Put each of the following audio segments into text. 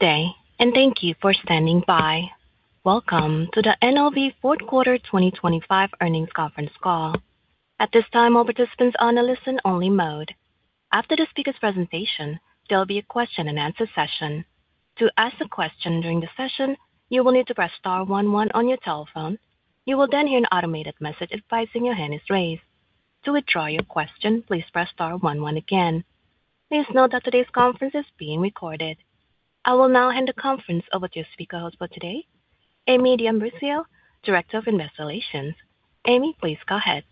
Day, and thank you for standing by. Welcome to the NOV Fourth Quarter 2025 Earnings Conference Call. At this time, all participants are on a listen-only mode. After the speaker's presentation, there'll be a question-and-answer session. To ask a question during the session, you will need to press star one one on your telephone. You will then hear an automated message advising your hand is raised. To withdraw your question, please press star one one again. Please note that today's conference is being recorded. I will now hand the conference over to speaker host for today, Amie D'Ambrosio, Director of Investor Relations. Amy, please go ahead.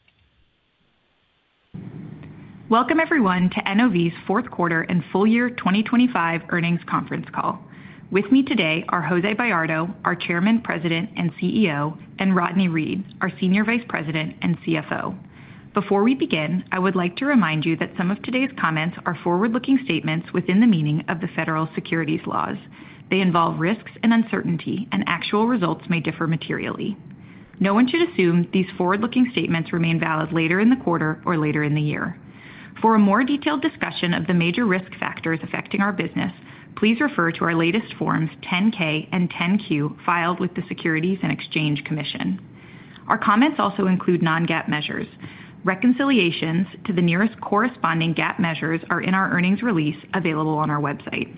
Welcome, everyone, to NOV's Fourth Quarter and Full Year 2025 Earnings Conference Call. With me today are Jose Bayardo, our Chairman, President, and CEO, and Rodney Reed, our Senior Vice President and CFO. Before we begin, I would like to remind you that some of today's comments are forward-looking statements within the meaning of the federal securities laws. They involve risks and uncertainty, and actual results may differ materially. No one should assume these forward-looking statements remain valid later in the quarter or later in the year. For a more detailed discussion of the major risk factors affecting our business, please refer to our latest Forms 10-K and 10-Q filed with the Securities and Exchange Commission. Our comments also include non-GAAP measures. Reconciliations to the nearest corresponding GAAP measures are in our earnings release, available on our website.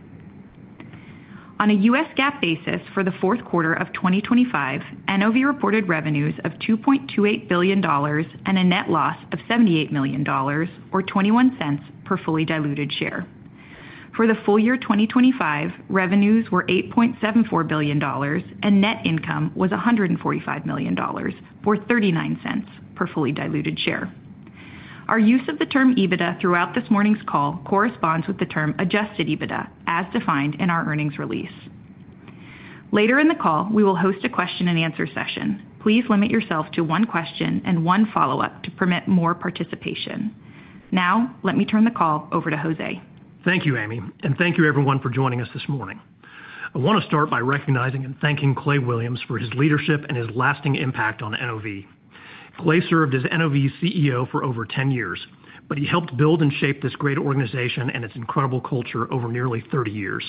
On a U.S. GAAP basis for the fourth quarter of 2025, NOV reported revenues of $2.28 billion and a net loss of $78 million, or $0.21 per fully diluted share. For the full year 2025, revenues were $8.74 billion, and net income was $145 million, or $0.39 per fully diluted share. Our use of the term EBITDA throughout this morning's call corresponds with the term adjusted EBITDA, as defined in our earnings release. Later in the call, we will host a question-and-answer session. Please limit yourself to one question and one follow-up to permit more participation. Now, let me turn the call over to Jose. Thank you, Amy, and thank you everyone for joining us this morning. I want to start by recognizing and thanking Clay Williams for his leadership and his lasting impact on NOV. Clay served as NOV's CEO for over 10 years, but he helped build and shape this great organization and its incredible culture over nearly 30 years.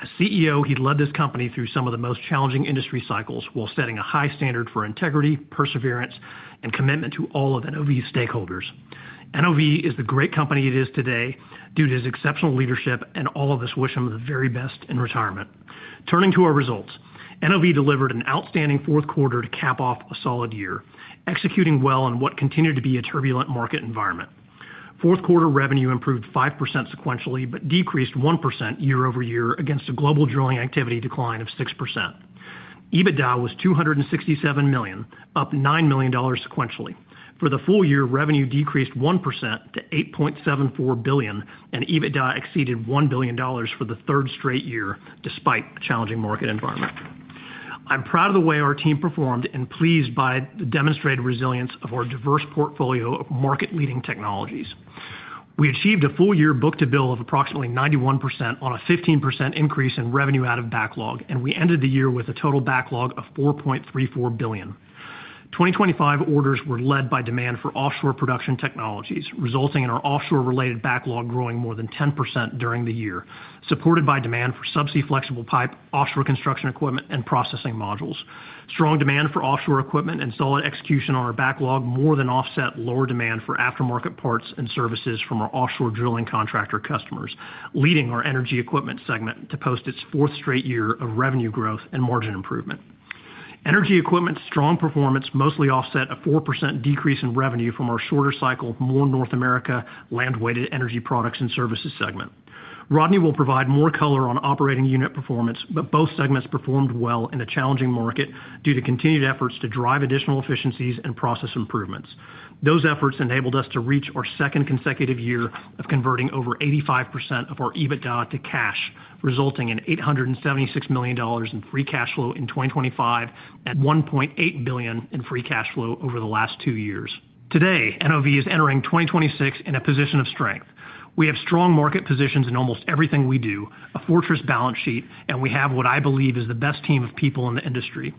As CEO, he led this company through some of the most challenging industry cycles while setting a high standard for integrity, perseverance, and commitment to all of NOV's stakeholders. NOV is the great company it is today due to his exceptional leadership, and all of us wish him the very best in retirement. Turning to our results, NOV delivered an outstanding fourth quarter to cap off a solid year, executing well on what continued to be a turbulent market environment. Fourth quarter revenue improved 5% sequentially, but decreased 1% year-over-year against a global drilling activity decline of 6%. EBITDA was $267 million, up $9 million sequentially. For the full year, revenue decreased 1% to $8.74 billion, and EBITDA exceeded $1 billion for the third straight year, despite a challenging market environment. I'm proud of the way our team performed and pleased by the demonstrated resilience of our diverse portfolio of market-leading technologies. We achieved a full-year book-to-bill of approximately 91% on a 15% increase in revenue out of backlog, and we ended the year with a total backlog of $4.34 billion. 2025 orders were led by demand for offshore production technologies, resulting in our offshore-related backlog growing more than 10% during the year, supported by demand for subsea flexible pipe, offshore construction equipment, and processing modules. Strong demand for offshore equipment and solid execution on our backlog more than offset lower demand for aftermarket parts and services from our offshore drilling contractor customers, leading our energy equipment segment to post its fourth straight year of revenue growth and margin improvement. Energy equipment's strong performance mostly offset a 4% decrease in revenue from our shorter cycle, more North America land-weighted energy products and services segment. Rodney will provide more color on operating unit performance, but both segments performed well in a challenging market due to continued efforts to drive additional efficiencies and process improvements. Those efforts enabled us to reach our second consecutive year of converting over 85% of our EBITDA to cash, resulting in $876 million in free cash flow in 2025 and $1.8 billion in free cash flow over the last two years. Today, NOV is entering 2026 in a position of strength. We have strong market positions in almost everything we do, a fortress balance sheet, and we have what I believe is the best team of people in the industry.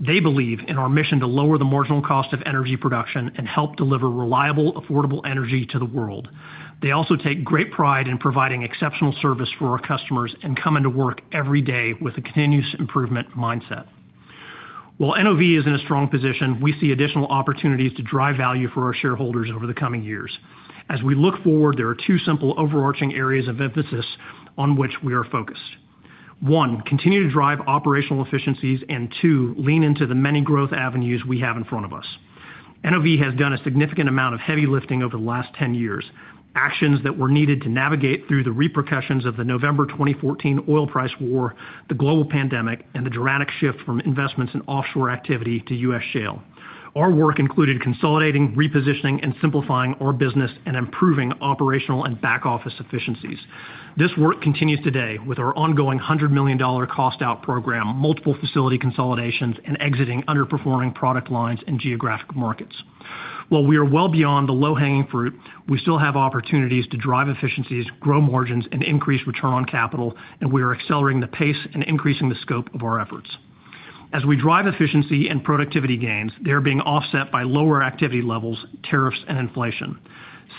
They believe in our mission to lower the marginal cost of energy production and help deliver reliable, affordable energy to the world. They also take great pride in providing exceptional service for our customers and coming to work every day with a continuous improvement mindset. While NOV is in a strong position, we see additional opportunities to drive value for our shareholders over the coming years. As we look forward, there are two simple overarching areas of emphasis on which we are focused. One, continue to drive operational efficiencies, and two, lean into the many growth avenues we have in front of us. NOV has done a significant amount of heavy lifting over the last 10 years, actions that were needed to navigate through the repercussions of the November 2014 oil price war, the global pandemic, and the dramatic shift from investments in offshore activity to U.S. shale. Our work included consolidating, repositioning, and simplifying our business and improving operational and back-office efficiencies. This work continues today with our ongoing $100 million cost-out program, multiple facility consolidations, and exiting underperforming product lines and geographic markets. While we are well beyond the low-hanging fruit, we still have opportunities to drive efficiencies, grow margins, and increase return on capital, and we are accelerating the pace and increasing the scope of our efforts. As we drive efficiency and productivity gains, they are being offset by lower activity levels, tariffs, and inflation.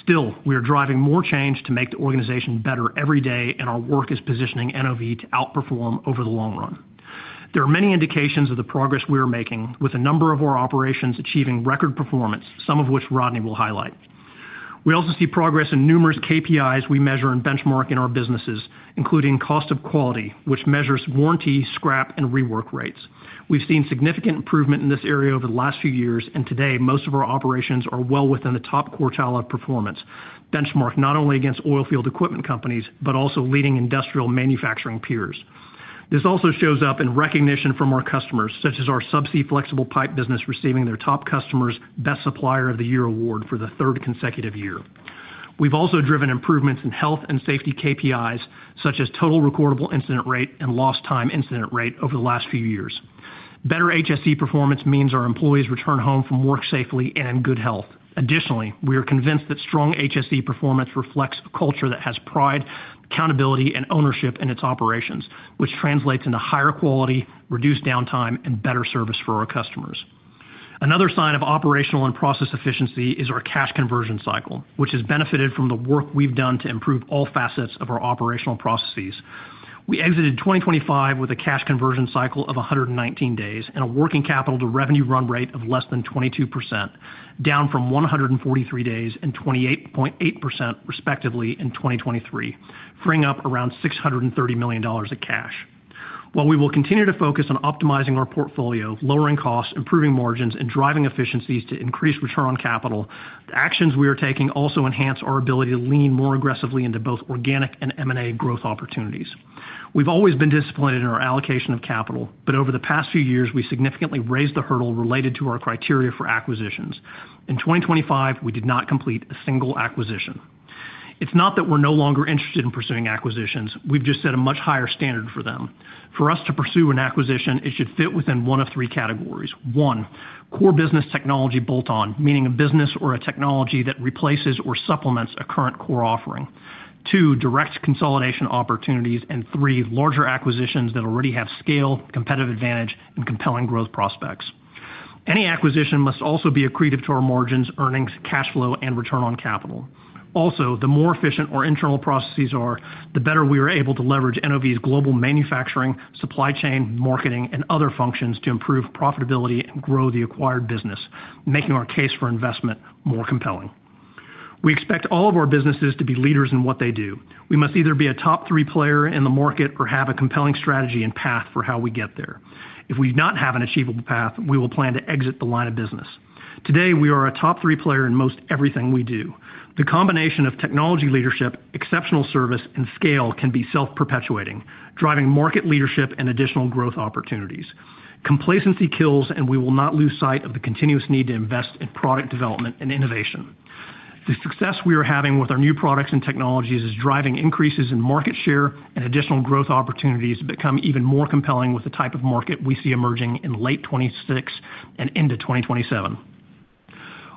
Still, we are driving more change to make the organization better every day, and our work is positioning NOV to outperform over the long run. There are many indications of the progress we are making, with a number of our operations achieving record performance, some of which Rodney will highlight. We also see progress in numerous KPIs we measure and benchmark in our businesses, including cost of quality, which measures warranty, scrap, and rework rates. We've seen significant improvement in this area over the last few years, and today, most of our operations are well within the top quartile of performance, benchmarked not only against oilfield equipment companies, but also leading industrial manufacturing peers. This also shows up in recognition from our customers, such as our subsea flexible pipe business receiving their top customer's Best Supplier of the Year award for the third consecutive year. We've also driven improvements in health and safety KPIs, such as total recordable incident rate and lost time incident rate over the last few years. Better HSE performance means our employees return home from work safely and in good health. Additionally, we are convinced that strong HSE performance reflects a culture that has pride, accountability, and ownership in its operations, which translates into higher quality, reduced downtime, and better service for our customers. Another sign of operational and process efficiency is our cash conversion cycle, which has benefited from the work we've done to improve all facets of our operational processes. We exited 2025 with a cash conversion cycle of 119 days and a working capital to revenue run rate of less than 22%, down from 143 days and 28.8%, respectively, in 2023, freeing up around $630 million of cash. While we will continue to focus on optimizing our portfolio, lowering costs, improving margins, and driving efficiencies to increase return on capital, the actions we are taking also enhance our ability to lean more aggressively into both organic and M&A growth opportunities. We've always been disciplined in our allocation of capital, but over the past few years, we significantly raised the hurdle related to our criteria for acquisitions. In 2025, we did not complete a single acquisition. It's not that we're no longer interested in pursuing acquisitions. We've just set a much higher standard for them. For us to pursue an acquisition, it should fit within one of three categories. One, core business technology bolt-on, meaning a business or a technology that replaces or supplements a current core offering. Two, direct consolidation opportunities, and three, larger acquisitions that already have scale, competitive advantage, and compelling growth prospects. Any acquisition must also be accretive to our margins, earnings, cash flow, and return on capital. Also, the more efficient our internal processes are, the better we are able to leverage NOV's global manufacturing, supply chain, marketing, and other functions to improve profitability and grow the acquired business, making our case for investment more compelling. We expect all of our businesses to be leaders in what they do. We must either be a top three player in the market or have a compelling strategy and path for how we get there. If we do not have an achievable path, we will plan to exit the line of business. Today, we are a top three player in most everything we do. The combination of technology leadership, exceptional service, and scale can be self-perpetuating, driving market leadership and additional growth opportunities. Complacency kills, and we will not lose sight of the continuous need to invest in product development and innovation. The success we are having with our new products and technologies is driving increases in market share, and additional growth opportunities become even more compelling with the type of market we see emerging in late 2026 and into 2027.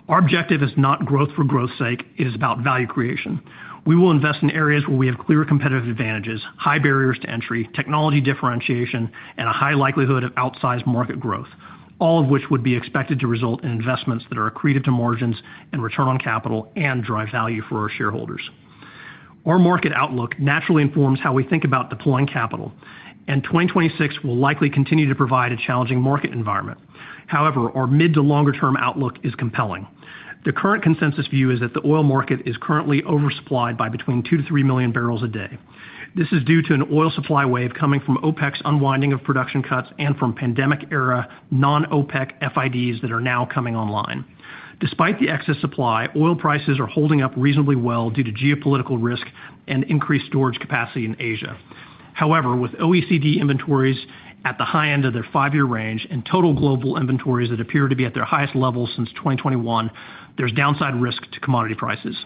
Our objective is not growth for growth's sake, it is about value creation. We will invest in areas where we have clear competitive advantages, high barriers to entry, technology differentiation, and a high likelihood of outsized market growth, all of which would be expected to result in investments that are accretive to margins and return on capital and drive value for our shareholders. Our market outlook naturally informs how we think about deploying capital, and 2026 will likely continue to provide a challenging market environment. However, our mid to longer-term outlook is compelling. The current consensus view is that the oil market is currently oversupplied by between 2-3 million barrels a day. This is due to an oil supply wave coming from OPEC's unwinding of production cuts and from pandemic-era non-OPEC FIDs that are now coming online. Despite the excess supply, oil prices are holding up reasonably well due to geopolitical risk and increased storage capacity in Asia. However, with OECD inventories at the high end of their five-year range and total global inventories that appear to be at their highest level since 2021, there's downside risk to commodity prices.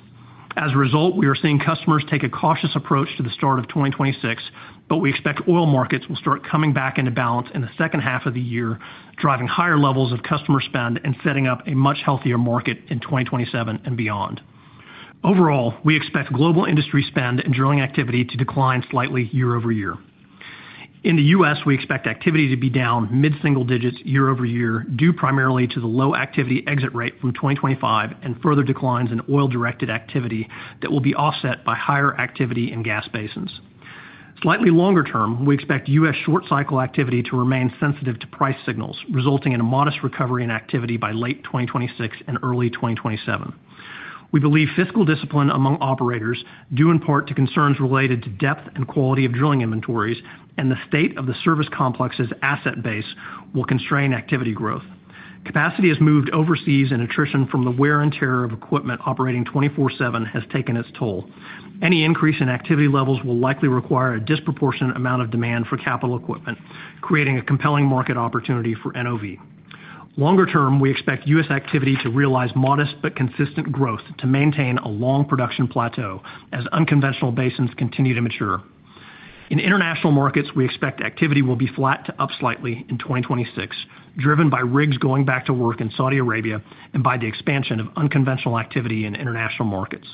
As a result, we are seeing customers take a cautious approach to the start of 2026, but we expect oil markets will start coming back into balance in the second half of the year, driving higher levels of customer spend and setting up a much healthier market in 2027 and beyond. Overall, we expect global industry spend and drilling activity to decline slightly year-over-year. In the U.S., we expect activity to be down mid-single digits year-over-year, due primarily to the low activity exit rate from 2025 and further declines in oil-directed activity that will be offset by higher activity in gas basins. Slightly longer term, we expect U.S. short cycle activity to remain sensitive to price signals, resulting in a modest recovery in activity by late 2026 and early 2027. We believe fiscal discipline among operators, due in part to concerns related to depth and quality of drilling inventories and the state of the service complex's asset base, will constrain activity growth. Capacity has moved overseas, and attrition from the wear and tear of equipment operating 24/7 has taken its toll. Any increase in activity levels will likely require a disproportionate amount of demand for capital equipment, creating a compelling market opportunity for NOV. Longer term, we expect U.S. activity to realize modest but consistent growth to maintain a long production plateau as unconventional basins continue to mature. In international markets, we expect activity will be flat to up slightly in 2026, driven by rigs going back to work in Saudi Arabia and by the expansion of unconventional activity in international markets....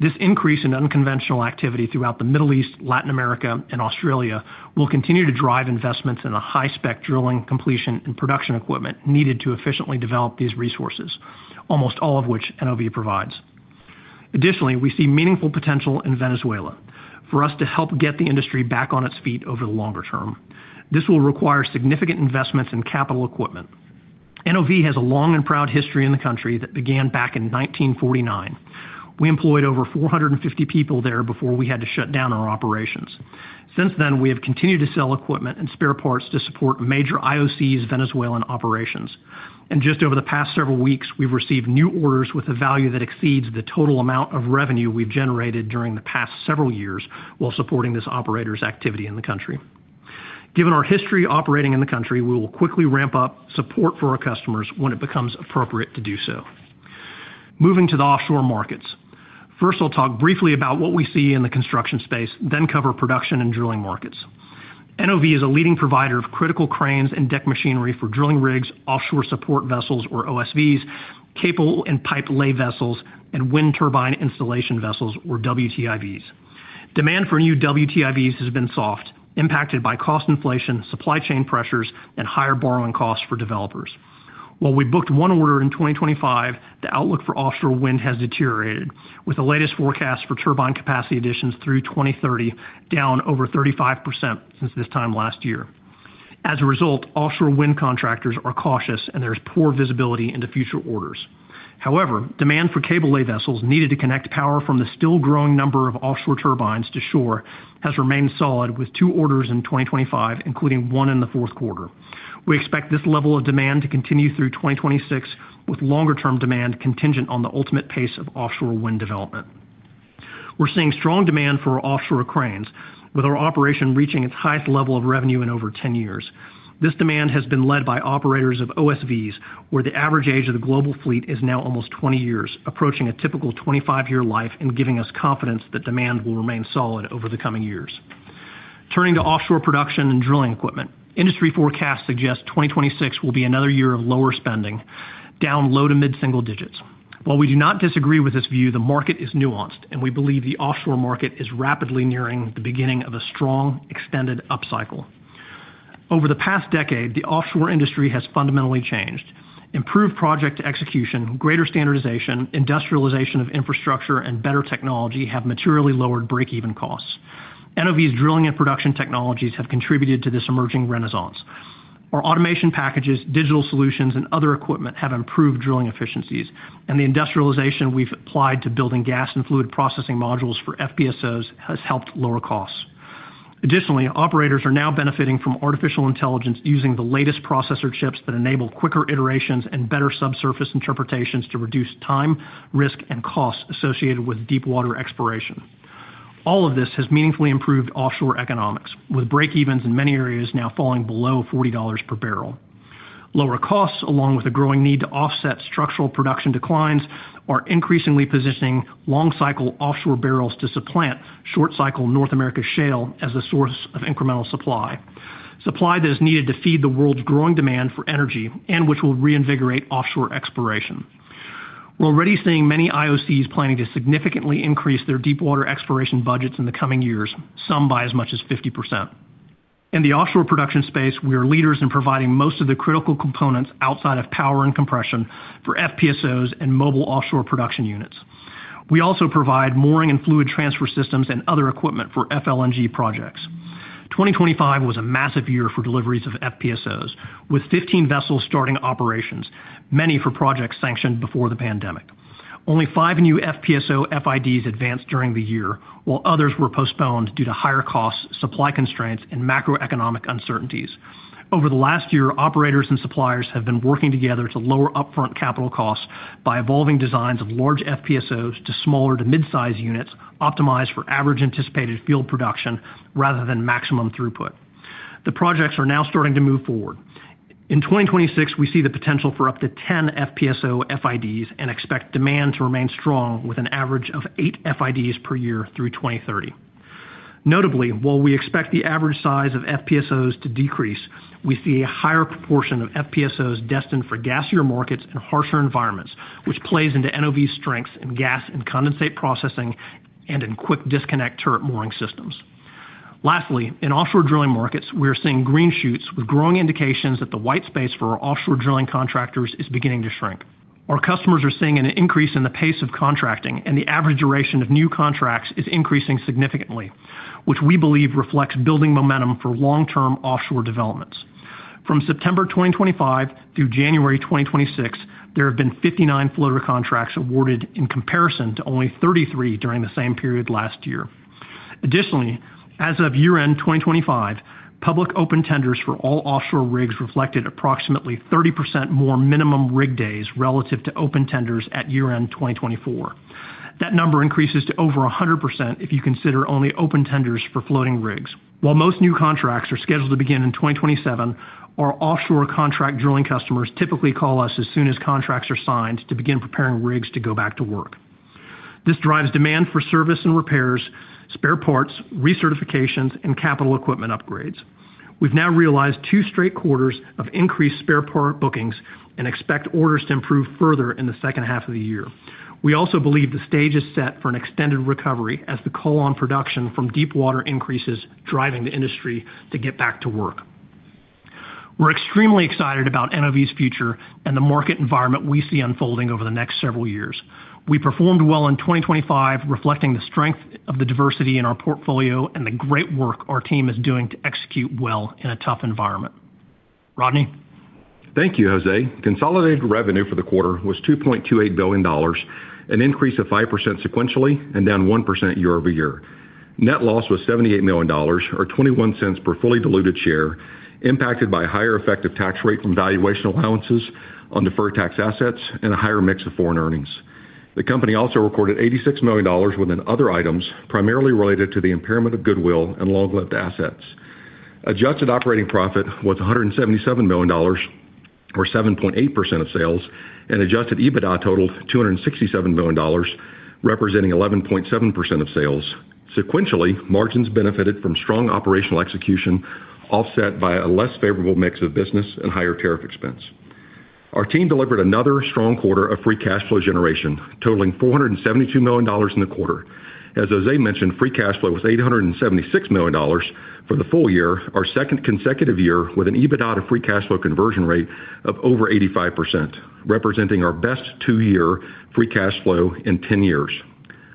This increase in unconventional activity throughout the Middle East, Latin America, and Australia will continue to drive investments in a high-spec drilling, completion, and production equipment needed to efficiently develop these resources, almost all of which NOV provides. Additionally, we see meaningful potential in Venezuela for us to help get the industry back on its feet over the longer term. This will require significant investments in capital equipment. NOV has a long and proud history in the country that began back in 1949. We employed over 450 people there before we had to shut down our operations. Since then, we have continued to sell equipment and spare parts to support major IOCs' Venezuelan operations. Just over the past several weeks, we've received new orders with a value that exceeds the total amount of revenue we've generated during the past several years while supporting this operator's activity in the country. Given our history operating in the country, we will quickly ramp up support for our customers when it becomes appropriate to do so. Moving to the offshore markets. First, I'll talk briefly about what we see in the construction space, then cover production and drilling markets. NOV is a leading provider of critical cranes and deck machinery for drilling rigs, offshore support vessels, or OSVs, cable and pipe lay vessels, and wind turbine installation vessels, or WTIVs. Demand for new WTIVs has been soft, impacted by cost inflation, supply chain pressures, and higher borrowing costs for developers. While we booked one order in 2025, the outlook for offshore wind has deteriorated, with the latest forecast for turbine capacity additions through 2030, down over 35% since this time last year. As a result, offshore wind contractors are cautious, and there's poor visibility into future orders. However, demand for cable lay vessels needed to connect power from the still growing number of offshore turbines to shore has remained solid, with two orders in 2025, including one in the fourth quarter. We expect this level of demand to continue through 2026, with longer-term demand contingent on the ultimate pace of offshore wind development. We're seeing strong demand for offshore cranes, with our operation reaching its highest level of revenue in over 10 years. This demand has been led by operators of OSVs, where the average age of the global fleet is now almost 20 years, approaching a typical 25-year life and giving us confidence that demand will remain solid over the coming years. Turning to offshore production and drilling equipment. Industry forecasts suggest 2026 will be another year of lower spending, down low- to mid-single digits. While we do not disagree with this view, the market is nuanced, and we believe the offshore market is rapidly nearing the beginning of a strong, extended upcycle. Over the past decade, the offshore industry has fundamentally changed. Improved project execution, greater standardization, industrialization of infrastructure, and better technology have materially lowered break-even costs. NOV's drilling and production technologies have contributed to this emerging renaissance. Our automation packages, digital solutions, and other equipment have improved drilling efficiencies, and the industrialization we've applied to building gas and fluid processing modules for FPSOs has helped lower costs. Additionally, operators are now benefiting from artificial intelligence using the latest processor chips that enable quicker iterations and better subsurface interpretations to reduce time, risk, and costs associated with deep water exploration. All of this has meaningfully improved offshore economics, with break-evens in many areas now falling below $40 per barrel. Lower costs, along with a growing need to offset structural production declines, are increasingly positioning long-cycle offshore barrels to supplant short-cycle North America shale as a source of incremental supply. Supply that is needed to feed the world's growing demand for energy and which will reinvigorate offshore exploration. We're already seeing many IOCs planning to significantly increase their deep water exploration budgets in the coming years, some by as much as 50%. In the offshore production space, we are leaders in providing most of the critical components outside of power and compression for FPSOs and mobile offshore production units. We also provide mooring and fluid transfer systems and other equipment for FLNG projects. 2025 was a massive year for deliveries of FPSOs, with 15 vessels starting operations, many for projects sanctioned before the pandemic. Only five new FPSO FIDs advanced during the year, while others were postponed due to higher costs, supply constraints, and macroeconomic uncertainties. Over the last year, operators and suppliers have been working together to lower upfront capital costs by evolving designs of large FPSOs to smaller to mid-size units optimized for average anticipated field production rather than maximum throughput. The projects are now starting to move forward. In 2026, we see the potential for up to 10 FPSO FIDs and expect demand to remain strong, with an average of eight FIDs per year through 2030. Notably, while we expect the average size of FPSOs to decrease, we see a higher proportion of FPSOs destined for gassier markets and harsher environments, which plays into NOV's strengths in gas and condensate processing and in quick disconnect turret mooring systems. Lastly, in offshore drilling markets, we are seeing green shoots with growing indications that the white space for our offshore drilling contractors is beginning to shrink. Our customers are seeing an increase in the pace of contracting, and the average duration of new contracts is increasing significantly, which we believe reflects building momentum for long-term offshore developments. From September 2025 through January 2026, there have been 59 floater contracts awarded in comparison to only 33 during the same period last year. Additionally, as of year-end 2025, public open tenders for all offshore rigs reflected approximately 30% more minimum rig days relative to open tenders at year-end 2024. That number increases to over 100% if you consider only open tenders for floating rigs. While most new contracts are scheduled to begin in 2027, our offshore contract drilling customers typically call us as soon as contracts are signed to begin preparing rigs to go back to work. This drives demand for service and repairs, spare parts, recertifications, and capital equipment upgrades.... We've now realized two straight quarters of increased spare part bookings and expect orders to improve further in the second half of the year. We also believe the stage is set for an extended recovery as the offshore production from deepwater increases, driving the industry to get back to work. We're extremely excited about NOV's future and the market environment we see unfolding over the next several years. We performed well in 2025, reflecting the strength of the diversity in our portfolio and the great work our team is doing to execute well in a tough environment. Rodney? Thank you, Jose. Consolidated revenue for the quarter was $2.28 billion, an increase of 5% sequentially and down 1% year-over-year. Net loss was $78 million, or $0.21 per fully diluted share, impacted by a higher effective tax rate from valuation allowances on deferred tax assets and a higher mix of foreign earnings. The company also recorded $86 million within other items, primarily related to the impairment of goodwill and long-lived assets. Adjusted operating profit was $177 million, or 7.8% of sales, and adjusted EBITDA totaled $267 million, representing 11.7% of sales. Sequentially, margins benefited from strong operational execution, offset by a less favorable mix of business and higher tariff expense. Our team delivered another strong quarter of free cash flow generation, totaling $472 million in the quarter. As Jose mentioned, free cash flow was $876 million for the full year, our second consecutive year, with an EBITDA free cash flow conversion rate of over 85%, representing our best two-year free cash flow in 10 years.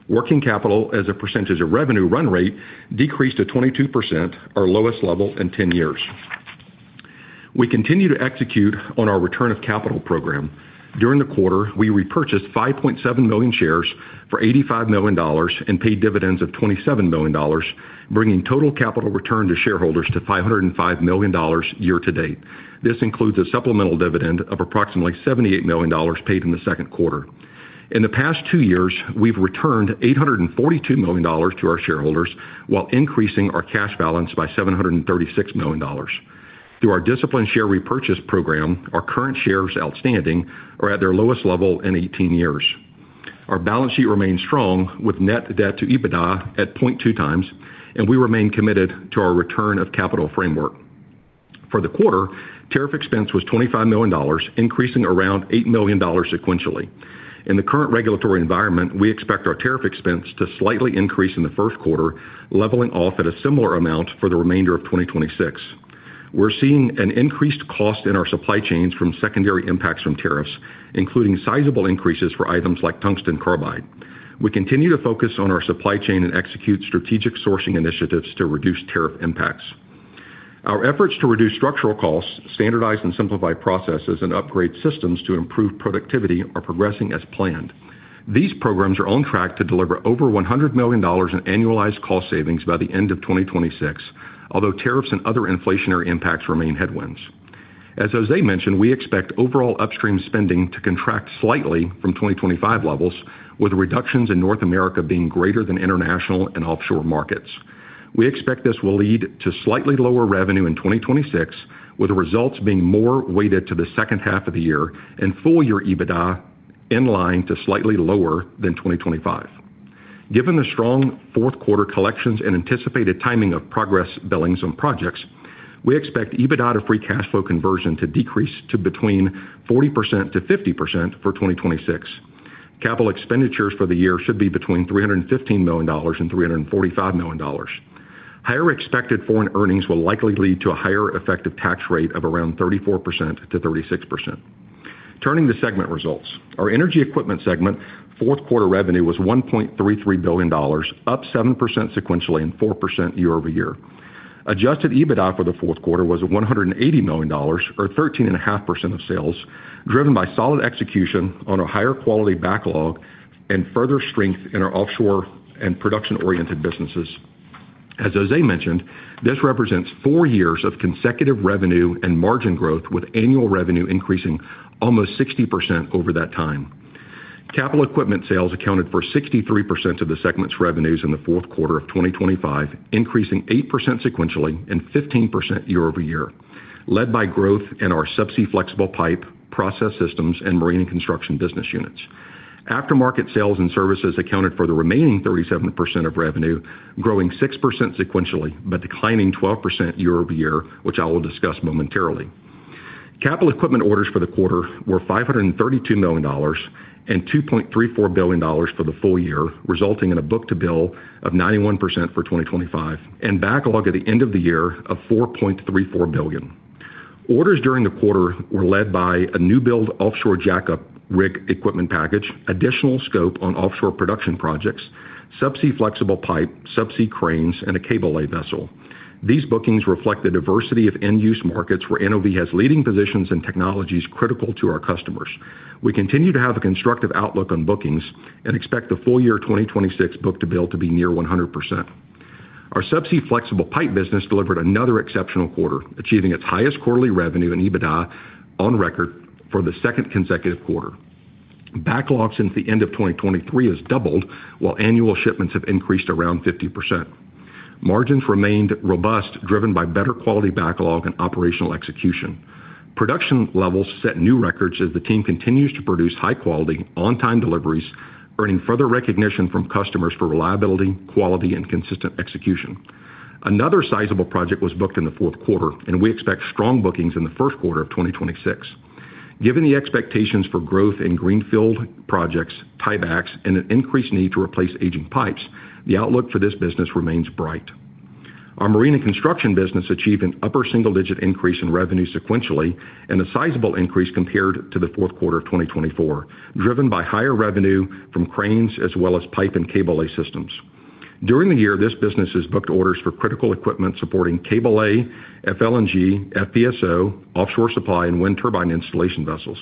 Working capital as a percentage of revenue run rate decreased to 22%, our lowest level in 10 years. We continue to execute on our return of capital program. During the quarter, we repurchased 5.7 million shares for $85 million and paid dividends of $27 million, bringing total capital return to shareholders to $505 million year to date. This includes a supplemental dividend of approximately $78 million paid in the second quarter. In the past two years, we've returned $842 million to our shareholders, while increasing our cash balance by $736 million. Through our disciplined share repurchase program, our current shares outstanding are at their lowest level in 18 years. Our balance sheet remains strong, with net debt to EBITDA at 0.2x, and we remain committed to our return of capital framework. For the quarter, tariff expense was $25 million, increasing around $8 million sequentially. In the current regulatory environment, we expect our tariff expense to slightly increase in the first quarter, leveling off at a similar amount for the remainder of 2026. We're seeing an increased cost in our supply chains from secondary impacts from tariffs, including sizable increases for items like tungsten carbide. We continue to focus on our supply chain and execute strategic sourcing initiatives to reduce tariff impacts. Our efforts to reduce structural costs, standardize and simplify processes, and upgrade systems to improve productivity are progressing as planned. These programs are on track to deliver over $100 million in annualized cost savings by the end of 2026, although tariffs and other inflationary impacts remain headwinds. As Jose mentioned, we expect overall upstream spending to contract slightly from 2025 levels, with reductions in North America being greater than international and offshore markets. We expect this will lead to slightly lower revenue in 2026, with the results being more weighted to the second half of the year and full-year EBITDA in line to slightly lower than 2025. Given the strong fourth quarter collections and anticipated timing of progress billings on projects, we expect EBITDA free cash flow conversion to decrease to between 40%-50% for 2026. Capital expenditures for the year should be between $315 million and $345 million. Higher expected foreign earnings will likely lead to a higher effective tax rate of around 34%-36%. Turning to segment results. Our energy equipment segment, fourth quarter revenue was $1.33 billion, up 7% sequentially and 4% year-over-year. Adjusted EBITDA for the fourth quarter was $180 million, or 13.5% of sales, driven by solid execution on a higher quality backlog and further strength in our offshore and production-oriented businesses. As Jose mentioned, this represents four years of consecutive revenue and margin growth, with annual revenue increasing almost 60% over that time. Capital equipment sales accounted for 63% of the segment's revenues in the fourth quarter of 2025, increasing 8% sequentially and 15% year over year, led by growth in our subsea flexible pipe, process systems, and marine and construction business units. Aftermarket sales and services accounted for the remaining 37% of revenue, growing 6% sequentially, but declining 12% year over year, which I will discuss momentarily. Capital equipment orders for the quarter were $532 million, and $2.34 billion for the full year, resulting in a book-to-bill of 91% for 2025, and backlog at the end of the year of $4.34 billion. Orders during the quarter were led by a new build offshore jackup rig equipment package, additional scope on offshore production projects, subsea flexible pipe, subsea cranes, and a cable lay vessel. These bookings reflect the diversity of end-use markets where NOV has leading positions and technologies critical to our customers. We continue to have a constructive outlook on bookings and expect the full year 2026 book-to-bill to be near 100%. Our subsea flexible pipe business delivered another exceptional quarter, achieving its highest quarterly revenue and EBITDA on record for the second consecutive quarter. Backlogs since the end of 2023 has doubled, while annual shipments have increased around 50%. Margins remained robust, driven by better quality backlog and operational execution. Production levels set new records as the team continues to produce high quality, on-time deliveries, earning further recognition from customers for reliability, quality, and consistent execution. Another sizable project was booked in the fourth quarter, and we expect strong bookings in the first quarter of 2026. Given the expectations for growth in greenfield projects, tiebacks, and an increased need to replace aging pipes, the outlook for this business remains bright. Our marine and construction business achieved an upper single-digit increase in revenue sequentially, and a sizable increase compared to the fourth quarter of 2024, driven by higher revenue from cranes as well as pipe and cable lay systems. During the year, this business has booked orders for critical equipment supporting cable lay, FLNG, FPSO, offshore supply, and wind turbine installation vessels.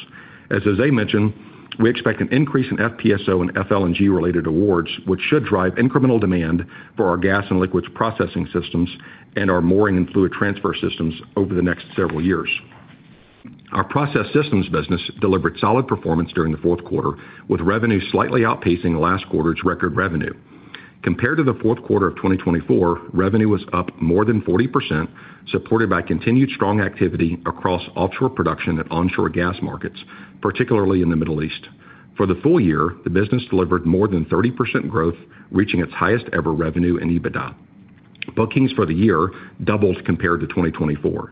As Jose mentioned, we expect an increase in FPSO and FLNG-related awards, which should drive incremental demand for our gas and liquids processing systems and our mooring and fluid transfer systems over the next several years. Our process systems business delivered solid performance during the fourth quarter, with revenue slightly outpacing last quarter's record revenue. Compared to the fourth quarter of 2024, revenue was up more than 40%, supported by continued strong activity across offshore production and onshore gas markets, particularly in the Middle East. For the full year, the business delivered more than 30% growth, reaching its highest-ever revenue and EBITDA. Bookings for the year doubled compared to 2024.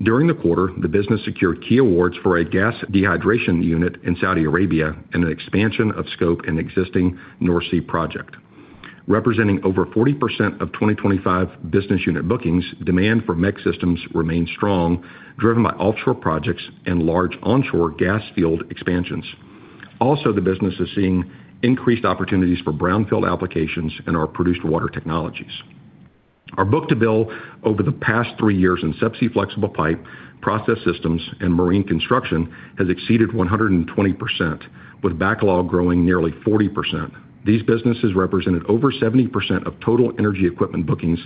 During the quarter, the business secured key awards for a gas dehydration unit in Saudi Arabia and an expansion of scope in an existing North Sea project. Representing over 40% of 2025 business unit bookings, demand for MEC systems remains strong, driven by offshore projects and large onshore gas field expansions. Also, the business is seeing increased opportunities for brownfield applications and our produced water technologies. Our book-to-bill over the past three years in Subsea Flexible Pipe, Process Systems, and Marine Construction has exceeded 120%, with backlog growing nearly 40%. These businesses represented over 70% of total energy equipment bookings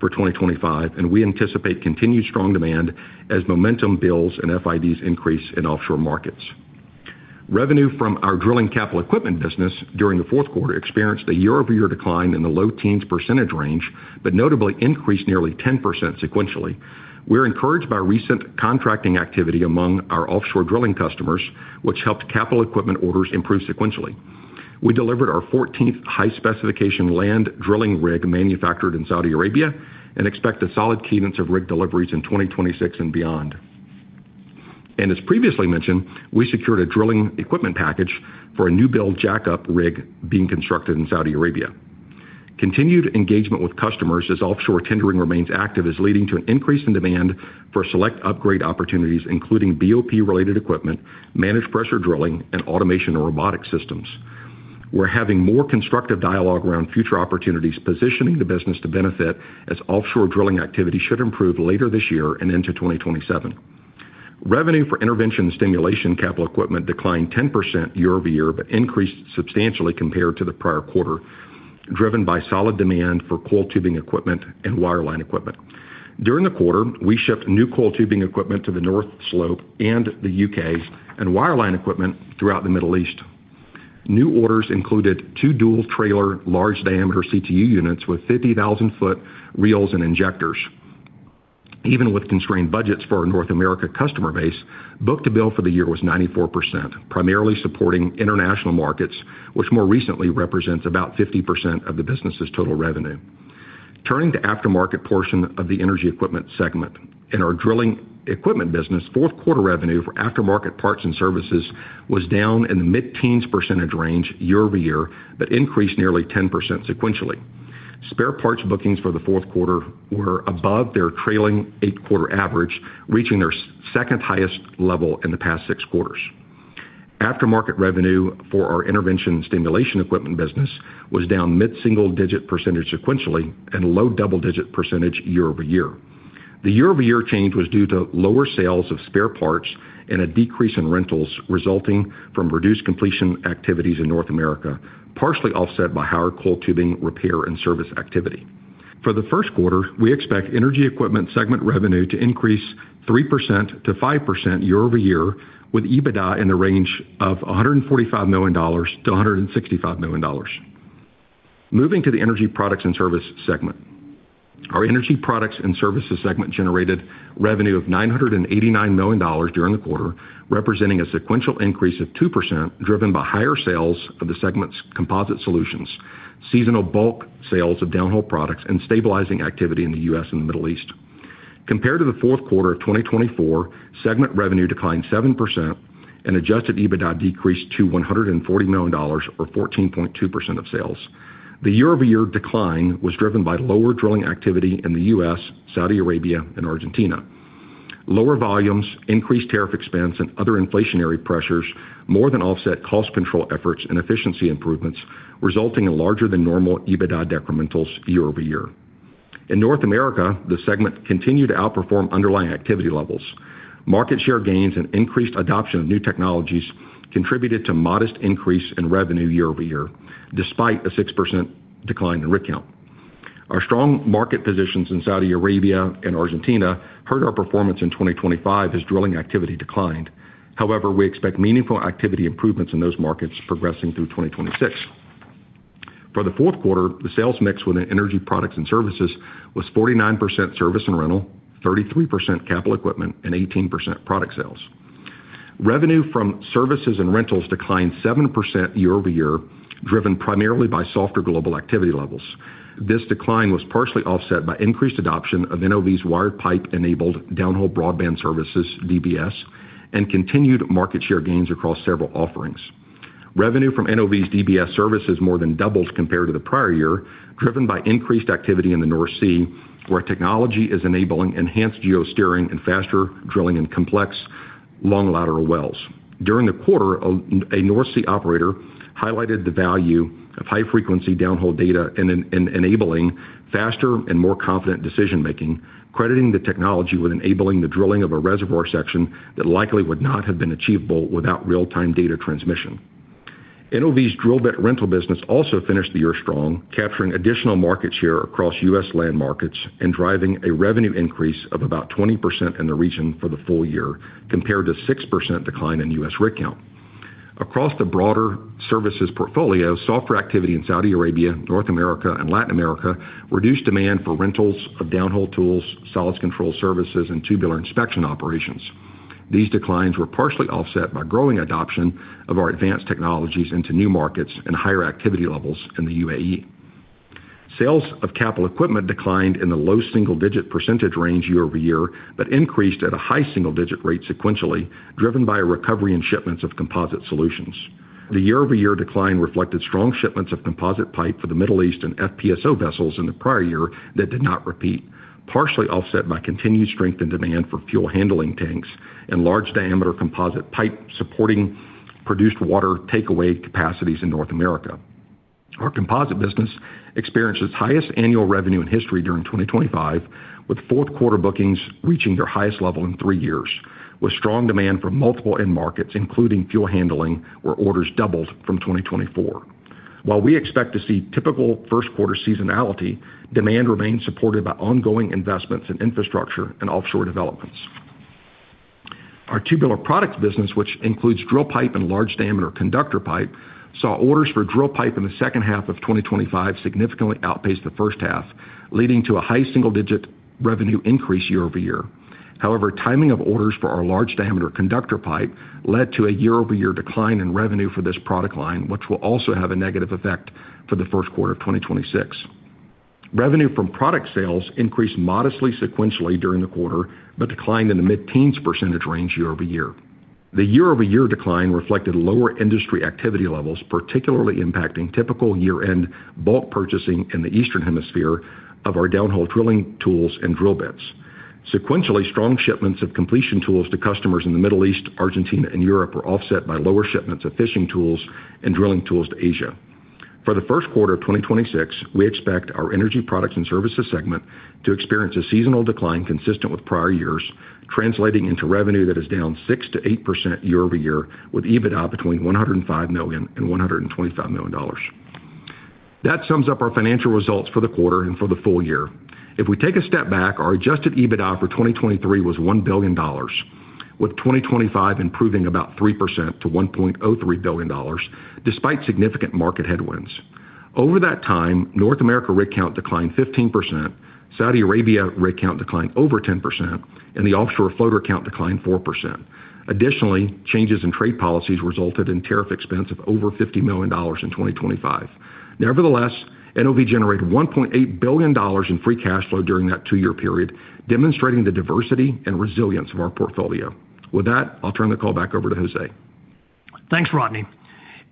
for 2025, and we anticipate continued strong demand as momentum builds and FIDs increase in offshore markets. Revenue from our drilling capital equipment business during the fourth quarter experienced a year-over-year decline in the low teens percentage range, but notably increased nearly 10% sequentially. We're encouraged by recent contracting activity among our offshore drilling customers, which helped capital equipment orders improve sequentially. We delivered our 14th high-specification land drilling rig manufactured in Saudi Arabia, and expect a solid cadence of rig deliveries in 2026 and beyond. As previously mentioned, we secured a drilling equipment package for a new-build jackup rig being constructed in Saudi Arabia. Continued engagement with customers as offshore tendering remains active is leading to an increase in demand for select upgrade opportunities, including BOP-related equipment, managed pressure drilling, and automation or robotic systems. We're having more constructive dialogue around future opportunities, positioning the business to benefit as offshore drilling activity should improve later this year and into 2027. Revenue for intervention and stimulation capital equipment declined 10% year-over-year, but increased substantially compared to the prior quarter, driven by solid demand for coiled tubing equipment and wireline equipment. During the quarter, we shipped new coiled tubing equipment to the North Slope and the U.K., and wireline equipment throughout the Middle East. New orders included two dual-trailer, large-diameter CTU units with 50,000ft reels and injectors. Even with constrained budgets for our North America customer base, book-to-bill for the year was 94%, primarily supporting international markets, which more recently represents about 50% of the business's total revenue. Turning to aftermarket portion of the energy equipment segment. In our drilling equipment business, fourth quarter revenue for aftermarket parts and services was down in the mid-teens % range year-over-year, but increased nearly 10% sequentially. Spare parts bookings for the fourth quarter were above their trailing eight-quarter average, reaching their second-highest level in the past six quarters. Aftermarket revenue for our intervention and stimulation equipment business was down mid-single-digit percentage sequentially and low double-digit percentage year-over-year. The year-over-year change was due to lower sales of spare parts and a decrease in rentals, resulting from reduced completion activities in North America, partially offset by higher coiled tubing, repair, and service activity. For the first quarter, we expect energy equipment segment revenue to increase 3%-5% year-over-year, with EBITDA in the range of $145 million-$165 million. Moving to the energy products and services segment. Our energy products and services segment generated revenue of $989 million during the quarter, representing a sequential increase of 2%, driven by higher sales of the segment's composite solutions, seasonal bulk sales of downhole products, and stabilizing activity in the U.S. and the Middle East. Compared to the fourth quarter of 2024, segment revenue declined 7% and adjusted EBITDA decreased to $140 million, or 14.2% of sales. The year-over-year decline was driven by lower drilling activity in the U.S., Saudi Arabia, and Argentina. Lower volumes, increased tariff expense, and other inflationary pressures more than offset cost control efforts and efficiency improvements, resulting in larger than normal EBITDA decrementals year-over-year. In North America, the segment continued to outperform underlying activity levels. Market share gains and increased adoption of new technologies contributed to modest increase in revenue year-over-year, despite a 6% decline in rig count. Our strong market positions in Saudi Arabia and Argentina hurt our performance in 2025 as drilling activity declined. However, we expect meaningful activity improvements in those markets progressing through 2026. For the fourth quarter, the sales mix within energy products and services was 49% service and rental, 33% capital equipment, and 18% product sales. Revenue from services and rentals declined 7% year-over-year, driven primarily by softer global activity levels. This decline was partially offset by increased adoption of NOV's wired pipe-enabled downhole broadband services, DBS, and continued market share gains across several offerings. Revenue from NOV's DBS services more than doubled compared to the prior year, driven by increased activity in the North Sea, where technology is enabling enhanced geosteering and faster drilling in complex, long lateral wells. During the quarter, a North Sea operator highlighted the value of high-frequency downhole data in enabling faster and more confident decision-making, crediting the technology with enabling the drilling of a reservoir section that likely would not have been achievable without real-time data transmission. NOV's drill bit rental business also finished the year strong, capturing additional market share across U.S. land markets and driving a revenue increase of about 20% in the region for the full year, compared to 6% decline in U.S. rig count. Across the broader services portfolio, softer activity in Saudi Arabia, North America, and Latin America reduced demand for rentals of downhole tools, solids control services, and tubular inspection operations. These declines were partially offset by growing adoption of our advanced technologies into new markets and higher activity levels in the UAE. Sales of capital equipment declined in the low single-digit % range year-over-year, but increased at a high single-digit % rate sequentially, driven by a recovery in shipments of composite solutions. The year-over-year decline reflected strong shipments of composite pipe for the Middle East and FPSO vessels in the prior year that did not repeat, partially offset by continued strength and demand for fuel handling tanks and large diameter composite pipe supporting produced water takeaway capacities in North America. Our composite business experienced its highest annual revenue in history during 2025, with fourth quarter bookings reaching their highest level in three years, with strong demand from multiple end markets, including fuel handling, where orders doubled from 2024. While we expect to see typical first quarter seasonality, demand remains supported by ongoing investments in infrastructure and offshore developments. Our tubular products business, which includes drill pipe and large diameter conductor pipe, saw orders for drill pipe in the second half of 2025 significantly outpaced the first half, leading to a high single-digit revenue increase year-over-year. However, timing of orders for our large diameter conductor pipe led to a year-over-year decline in revenue for this product line, which will also have a negative effect for the first quarter of 2026. Revenue from product sales increased modestly sequentially during the quarter, but declined in the mid-teens% range year-over-year. The year-over-year decline reflected lower industry activity levels, particularly impacting typical year-end bulk purchasing in the Eastern Hemisphere of our downhole drilling tools and drill bits. Sequentially, strong shipments of completion tools to customers in the Middle East, Argentina, and Europe were offset by lower shipments of fishing tools and drilling tools to Asia. For the first quarter of 2026, we expect our energy products and services segment to experience a seasonal decline consistent with prior years, translating into revenue that is down 6%-8% year-over-year, with EBITDA between $105 million and $125 million. That sums up our financial results for the quarter and for the full year. If we take a step back, our adjusted EBITDA for 2023 was $1 billion, with 2025 improving about 3% to $1.03 billion, despite significant market headwinds. Over that time, North America rig count declined 15%, Saudi Arabia rig count declined over 10%, and the offshore floater count declined 4%. Additionally, changes in trade policies resulted in tariff expense of over $50 million in 2025. Nevertheless, NOV generated $1.8 billion in free cash flow during that two-year period, demonstrating the diversity and resilience of our portfolio. With that, I'll turn the call back over to Jose. Thanks, Rodney.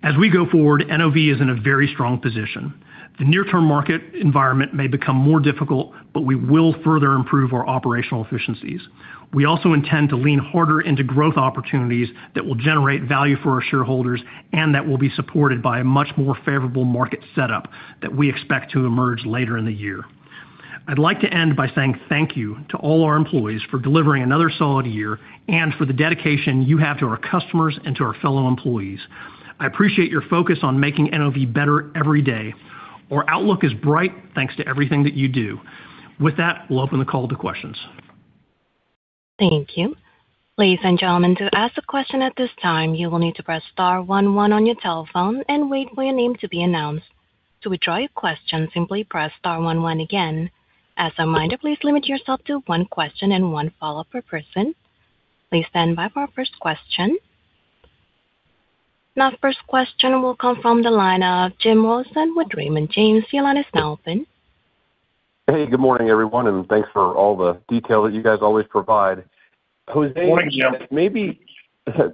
As we go forward, NOV is in a very strong position. The near-term market environment may become more difficult, but we will further improve our operational efficiencies. We also intend to lean harder into growth opportunities that will generate value for our shareholders and that will be supported by a much more favorable market setup that we expect to emerge later in the year. I'd like to end by saying thank you to all our employees for delivering another solid year and for the dedication you have to our customers and to our fellow employees. I appreciate your focus on making NOV better every day. Our outlook is bright, thanks to everything that you do. With that, we'll open the call to questions. Thank you. Ladies and gentlemen, to ask a question at this time, you will need to press star one one on your telephone and wait for your name to be announced. To withdraw your question, simply press star one one again. As a reminder, please limit yourself to one question and one follow-up per person. Please stand by for our first question. Our first question will come from the line of Jim Rollyson with Raymond James. Your line is now open. Hey, good morning, everyone, and thanks for all the detail that you guys always provide. Good morning, Jim.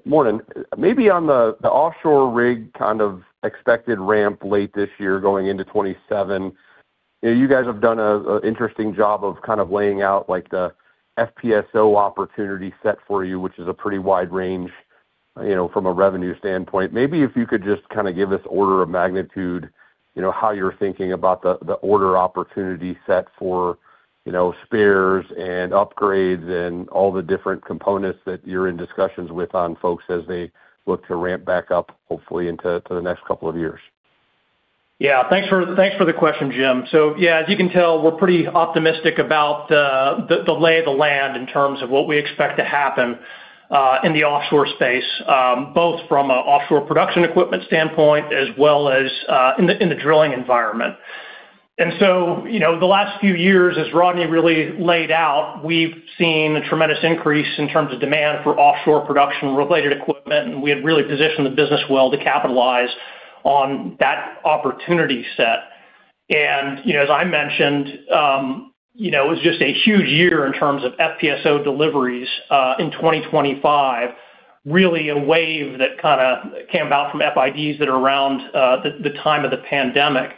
Morning. Maybe on the offshore rig, kind of, expected ramp late this year, going into 2027, you guys have done an interesting job of kind of laying out, like, the FPSO opportunity set for you, which is a pretty wide range, you know, from a revenue standpoint. Maybe if you could just kind of give us order of magnitude, you know, how you're thinking about the order opportunity set for, you know, spares and upgrades and all the different components that you're in discussions with on folks as they look to ramp back up, hopefully, into to the next couple of years. Yeah, thanks for the question, Jim. So yeah, as you can tell, we're pretty optimistic about the lay of the land in terms of what we expect to happen in the offshore space, both from an offshore production equipment standpoint as well as in the drilling environment. And so, you know, the last few years, as Rodney really laid out, we've seen a tremendous increase in terms of demand for offshore production-related equipment, and we have really positioned the business well to capitalize on that opportunity set. And, you know, as I mentioned, you know, it was just a huge year in terms of FPSO deliveries in 2025, really a wave that kind of came about from FIDs that are around the time of the pandemic.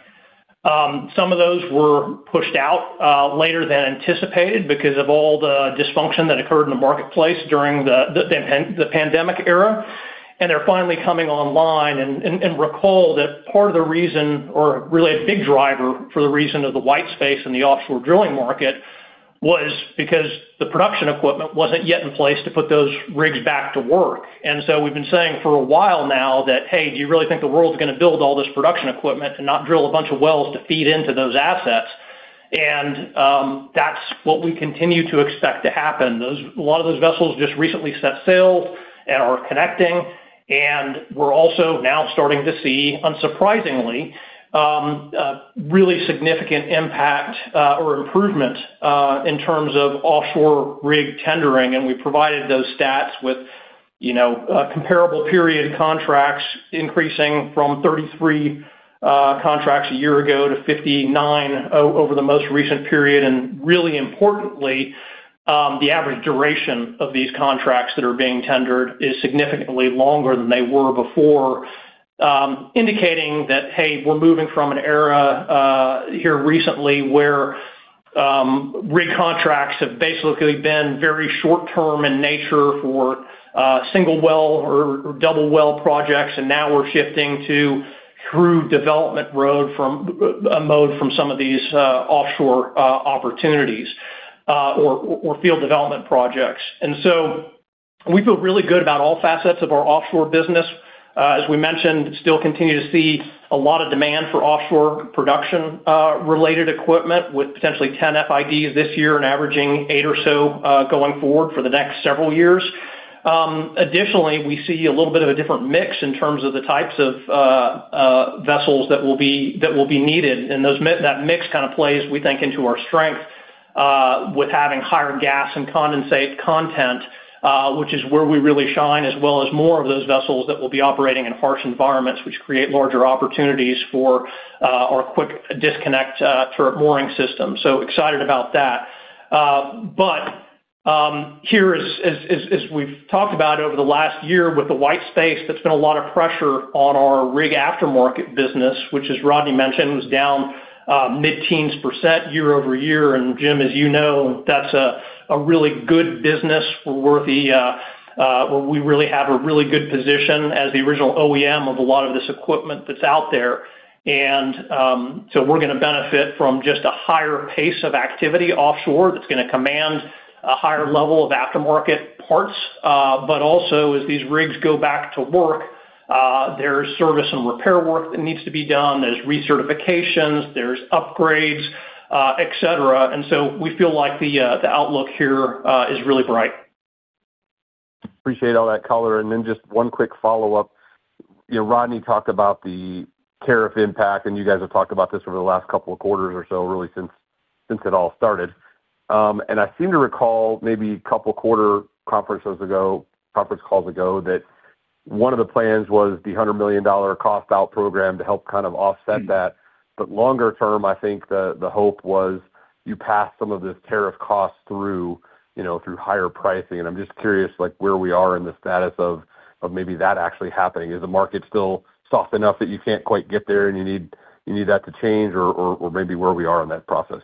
Some of those were pushed out later than anticipated because of all the dysfunction that occurred in the marketplace during the pandemic era, and they're finally coming online. And recall that part of the reason, or really a big driver for the reason of the white space in the offshore drilling market, was because the production equipment wasn't yet in place to put those rigs back to work. And so we've been saying for a while now that, "Hey, do you really think the world's gonna build all this production equipment and not drill a bunch of wells to feed into those assets?" And that's what we continue to expect to happen. Those. A lot of those vessels just recently set sail and are connecting, and we're also now starting to see, unsurprisingly, really significant impact or improvement in terms of offshore rig tendering. And we provided those stats with, you know, comparable period contracts increasing from 33 contracts a year ago to 59 over the most recent period. And really importantly, the average duration of these contracts that are being tendered is significantly longer than they were before, indicating that, hey, we're moving from an era here recently where rig contracts have basically been very short term in nature for single well or double well projects, and now we're shifting to through development mode from some of these offshore opportunities or field development projects. And so we feel really good about all facets of our offshore business. As we mentioned, still continue to see a lot of demand for offshore production related equipment, with potentially 10 FIDs this year and averaging eight or so going forward for the next several years. Additionally, we see a little bit of a different mix in terms of the types of vessels that will be needed, and those that mix kind of plays, we think, into our strength with having higher gas and condensate content, which is where we really shine, as well as more of those vessels that will be operating in harsh environments, which create larger opportunities for our quick disconnect for mooring system. So excited about that. But here, as we've talked about over the last year, with the white space, there's been a lot of pressure on our rig aftermarket business, which, as Rodney mentioned, was down mid-teens percentage year-over-year. And Jim, as you know, that's a really good business. We really have a really good position as the original OEM of a lot of this equipment that's out there. And so we're gonna benefit from just a higher pace of activity offshore that's gonna command a higher level of aftermarket parts. But also, as these rigs go back to work, there's service and repair work that needs to be done. There's recertifications, there's upgrades, et cetera. And so we feel like the outlook here is really bright. Appreciate all that color. And then just one quick follow-up. You know, Rodney talked about the tariff impact, and you guys have talked about this over the last couple of quarters or so, really, since, since it all started. And I seem to recall maybe a couple quarter conferences ago, conference calls ago, that one of the plans was the $100 million cost out program to help kind of offset that. But longer term, I think the, the hope was you pass some of this tariff cost through, you know, through higher pricing. And I'm just curious, like, where we are in the status of, of maybe that actually happening. Is the market still soft enough that you can't quite get there, and you need, you need that to change or, or, or maybe where we are in that process?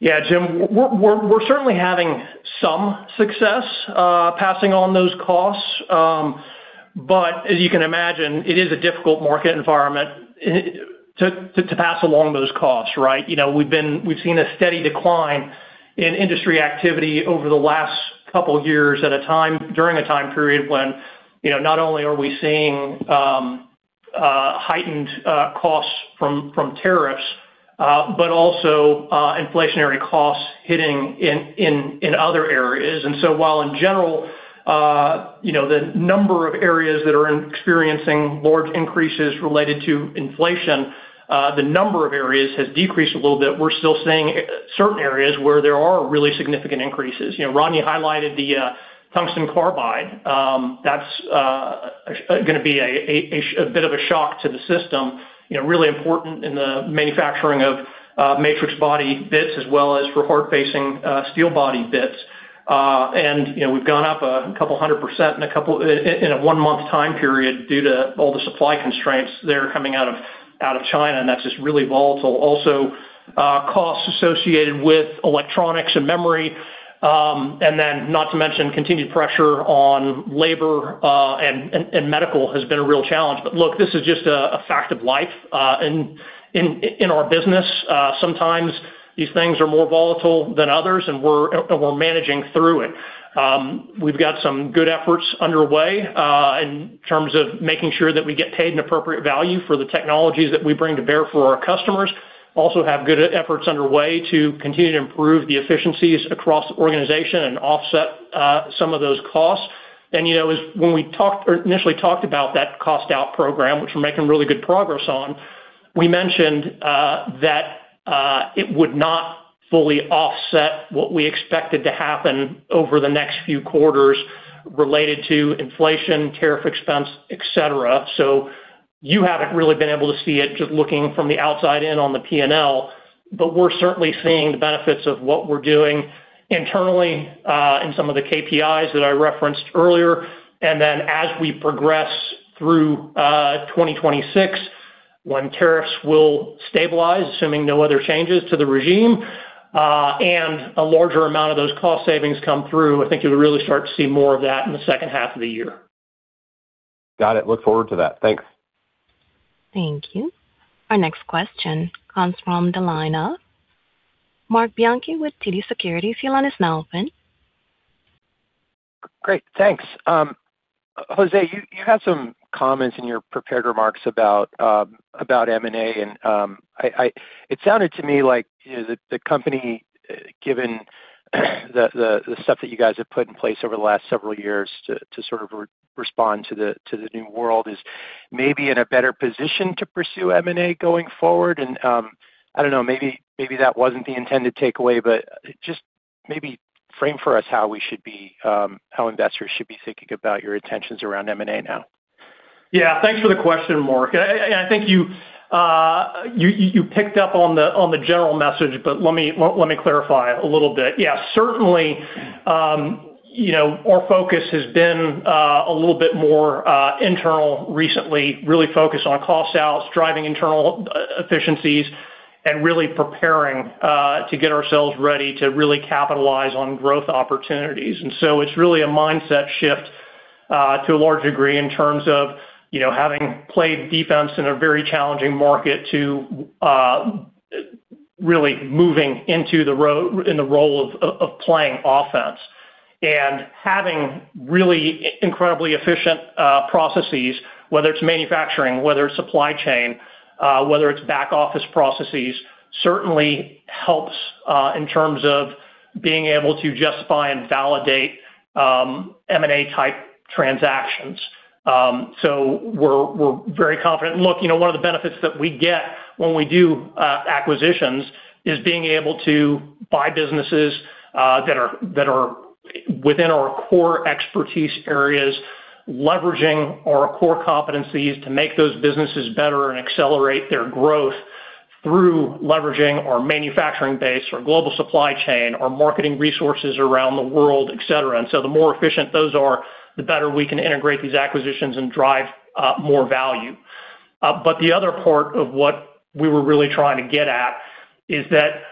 Yeah, Jim, we're certainly having some success passing on those costs. But as you can imagine, it is a difficult market environment to pass along those costs, right? You know, we've seen a steady decline in industry activity over the last couple of years during a time period when, you know, not only are we seeing heightened costs from tariffs, but also inflationary costs hitting in other areas. And so while in general, you know, the number of areas that are experiencing large increases related to inflation, the number of areas has decreased a little bit, we're still seeing certain areas where there are really significant increases. You know, Rodney highlighted the tungsten carbide. That's gonna be a bit of a shock to the system, you know, really important in the manufacturing of matrix body bits as well as for hard-facing steel body bits. And, you know, we've gone up 200% in a one-month time period due to all the supply constraints there coming out of China, and that's just really volatile. Also, costs associated with electronics and memory, and then, not to mention, continued pressure on labor and medical has been a real challenge. But look, this is just a fact of life in our business. Sometimes these things are more volatile than others, and we're managing through it. We've got some good efforts underway in terms of making sure that we get paid an appropriate value for the technologies that we bring to bear for our customers. Also have good efforts underway to continue to improve the efficiencies across the organization and offset some of those costs. And, you know, as when we talked or initially talked about that cost out program, which we're making really good progress on, we mentioned that it would not fully offset what we expected to happen over the next few quarters related to inflation, tariff expense, et cetera. So you haven't really been able to see it, just looking from the outside in on the P&L, but we're certainly seeing the benefits of what we're doing internally in some of the KPIs that I referenced earlier. And then as we progress through 2026, when tariffs will stabilize, assuming no other changes to the regime, and a larger amount of those cost savings come through, I think you'll really start to see more of that in the second half of the year. Got it. Look forward to that. Thanks. Thank you. Our next question comes from the line of Marc Bianchi with TD Securities. Your line is now open. Great. Thanks. Jose, you had some comments in your prepared remarks about M&A, and it sounded to me like, you know, the company, given the stuff that you guys have put in place over the last several years to sort of respond to the new world, is maybe in a better position to pursue M&A going forward. And I don't know, maybe that wasn't the intended takeaway, but just maybe frame for us how we should be thinking about your intentions around M&A now. Yeah, thanks for the question, Mark. I think you picked up on the general message, but let me clarify a little bit. Yeah, certainly, you know, our focus has been a little bit more internal recently, really focused on cost outs, driving internal efficiencies, and really preparing to get ourselves ready to really capitalize on growth opportunities. And so it's really a mindset shift to a large degree in terms of, you know, having played defense in a very challenging market to really moving into the role of playing offense. And having really incredibly efficient processes, whether it's manufacturing, whether it's supply chain, whether it's back office processes, certainly helps in terms of being able to justify and validate M&A type transactions. So we're very confident. Look, you know, one of the benefits that we get when we do acquisitions is being able to buy businesses that are within our core expertise areas, leveraging our core competencies to make those businesses better and accelerate their growth through leveraging our manufacturing base, our global supply chain, our marketing resources around the world, et cetera. And so the more efficient those are, the better we can integrate these acquisitions and drive more value. But the other part of what we were really trying to get at is that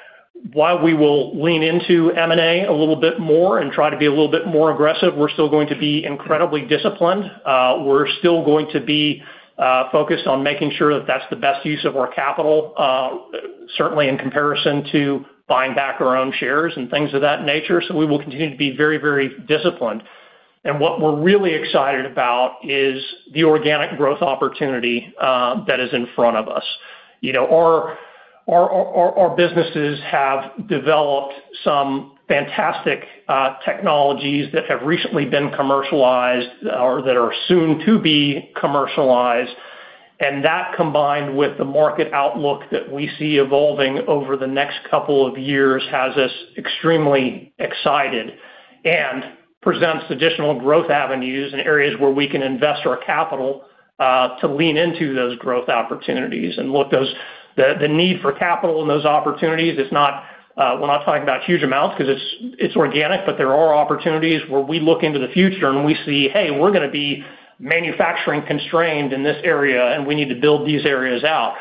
while we will lean into M&A a little bit more and try to be a little bit more aggressive, we're still going to be incredibly disciplined. We're still going to be focused on making sure that that's the best use of our capital, certainly in comparison to buying back our own shares and things of that nature. So we will continue to be very, very disciplined. And what we're really excited about is the organic growth opportunity that is in front of us. You know, our businesses have developed some fantastic technologies that have recently been commercialized or that are soon to be commercialized, and that, combined with the market outlook that we see evolving over the next couple of years, has us extremely excited and presents additional growth avenues in areas where we can invest our capital to lean into those growth opportunities. And look, the need for capital in those opportunities is not, we're not talking about huge amounts because it's organic, but there are opportunities where we look into the future, and we see, hey, we're gonna be manufacturing constrained in this area, and we need to build these areas out.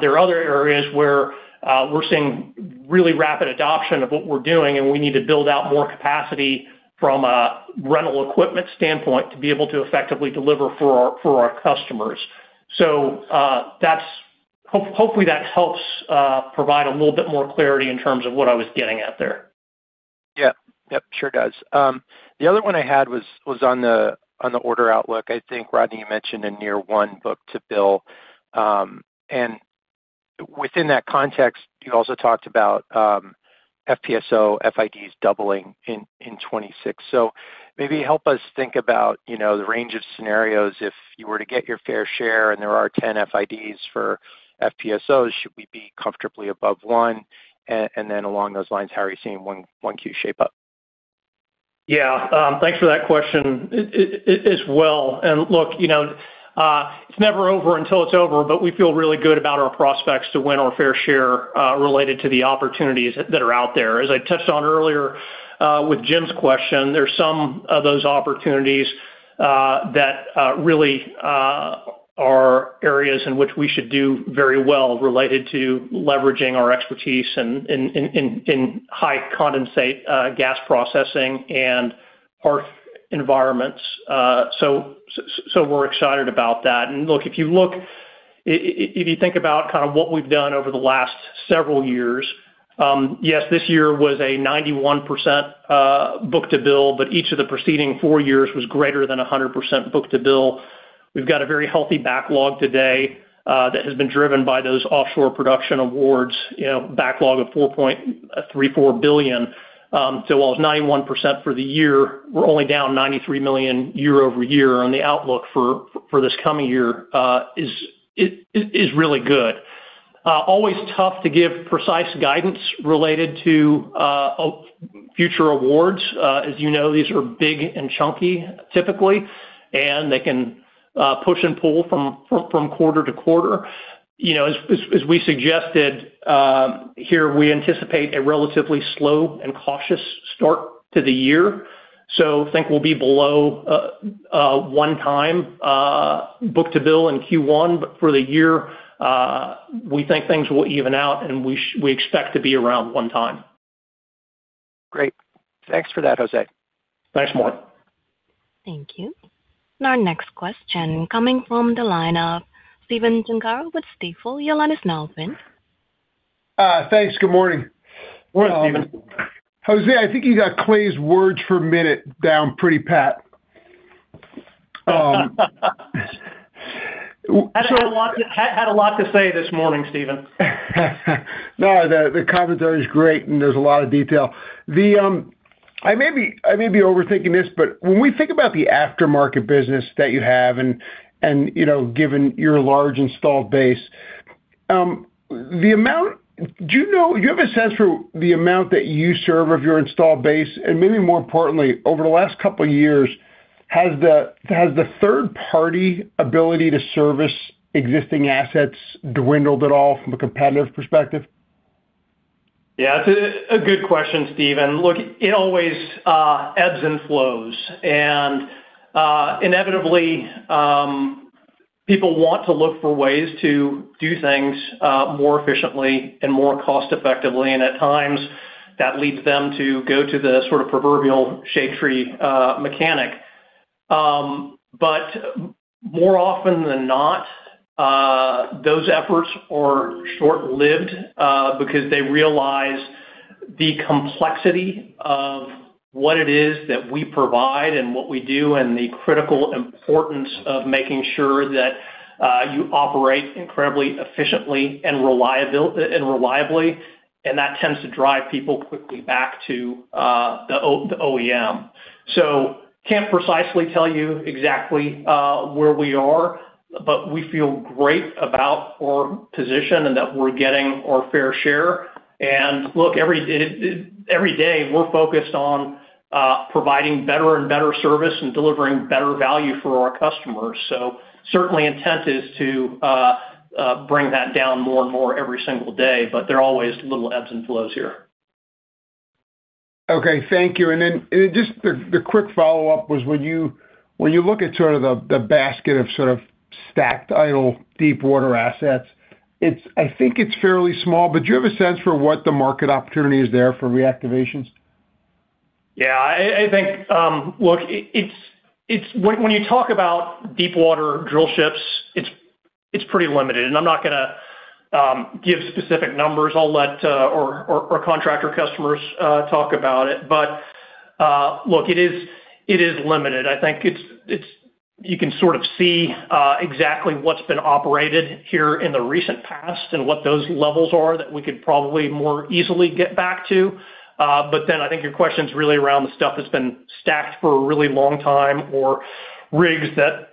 There are other areas where we're seeing really rapid adoption of what we're doing, and we need to build out more capacity from a rental equipment standpoint to be able to effectively deliver for our customers. So, that's hopefully that helps provide a little bit more clarity in terms of what I was getting at there. Yeah. Yep, sure does. The other one I had was on the order outlook. I think, Rodney, you mentioned a near one book-to-bill. And within that context, you also talked about FPSO FIDs doubling in 2026. So maybe help us think about, you know, the range of scenarios if you were to get your fair share, and there are 10 FIDs for FPSOs, should we be comfortably above one? And then along those lines, how are you seeing 1Q shape up? Yeah. Thanks for that question as well. And look, you know, it's never over until it's over, but we feel really good about our prospects to win our fair share related to the opportunities that are out there. As I touched on earlier, with Jim's question, there are some of those opportunities that really are areas in which we should do very well related to leveraging our expertise in high condensate gas processing and harsh environments. So we're excited about that. And look, if you look, if you think about kind of what we've done over the last several years, yes, this year was a 91% book-to-bill, but each of the preceding four years was greater than 100% book-to-bill. We've got a very healthy backlog today, that has been driven by those offshore production awards, you know, backlog of $4.34 billion. So while it's 91% for the year, we're only down $93 million year-over-year, and the outlook for this coming year is really good. Always tough to give precise guidance related to future awards. As you know, these are big and chunky, typically, and they can push and pull from quarter to quarter. You know, as we suggested, here, we anticipate a relatively slow and cautious start to the year, so think we'll be below one-time book-to-bill in Q1. But for the year, we think things will even out, and we expect to be around one time. Great. Thanks for that, Jose. Thanks, Mark. Thank you. And our next question coming from the line of Stephen Gengaro with Stifel. Your line is now open. Thanks. Good morning. Good morning, Stephen. Jose, I think you got Clay's words for a minute down pretty pat. Had a lot to say this morning, Stephen. No, the commentary is great, and there's a lot of detail. I may be overthinking this, but when we think about the aftermarket business that you have, and you know, given your large installed base, the amount—do you know, do you have a sense for the amount that you serve of your installed base? And maybe more importantly, over the last couple of years, has the third-party ability to service existing assets dwindled at all from a competitive perspective? Yeah, it's a good question, Stephen. Look, it always ebbs and flows. And inevitably, people want to look for ways to do things more efficiently and more cost effectively, and at times, that leads them to go to the sort of proverbial shade tree mechanic. But more often than not, those efforts are short-lived because they realize the complexity of what it is that we provide and what we do, and the critical importance of making sure that you operate incredibly efficiently and reliably, and that tends to drive people quickly back to the OEM. So can't precisely tell you exactly where we are, but we feel great about our position and that we're getting our fair share. Look, every day, we're focused on providing better and better service and delivering better value for our customers. So certainly intent is to bring that down more and more every single day, but there are always little ebbs and flows here. Okay, thank you. Then, just the quick follow-up was, when you look at sort of the basket of sort of stacked idle deepwater assets, it's—I think it's fairly small, but do you have a sense for what the market opportunity is there for reactivations? Yeah, I think. Look, it's when you talk about deepwater drill ships, it's pretty limited, and I'm not gonna give specific numbers. I'll let our contractor customers talk about it. But look, it is limited. I think it's. You can sort of see exactly what's been operated here in the recent past and what those levels are that we could probably more easily get back to. But then I think your question's really around the stuff that's been stacked for a really long time, or rigs that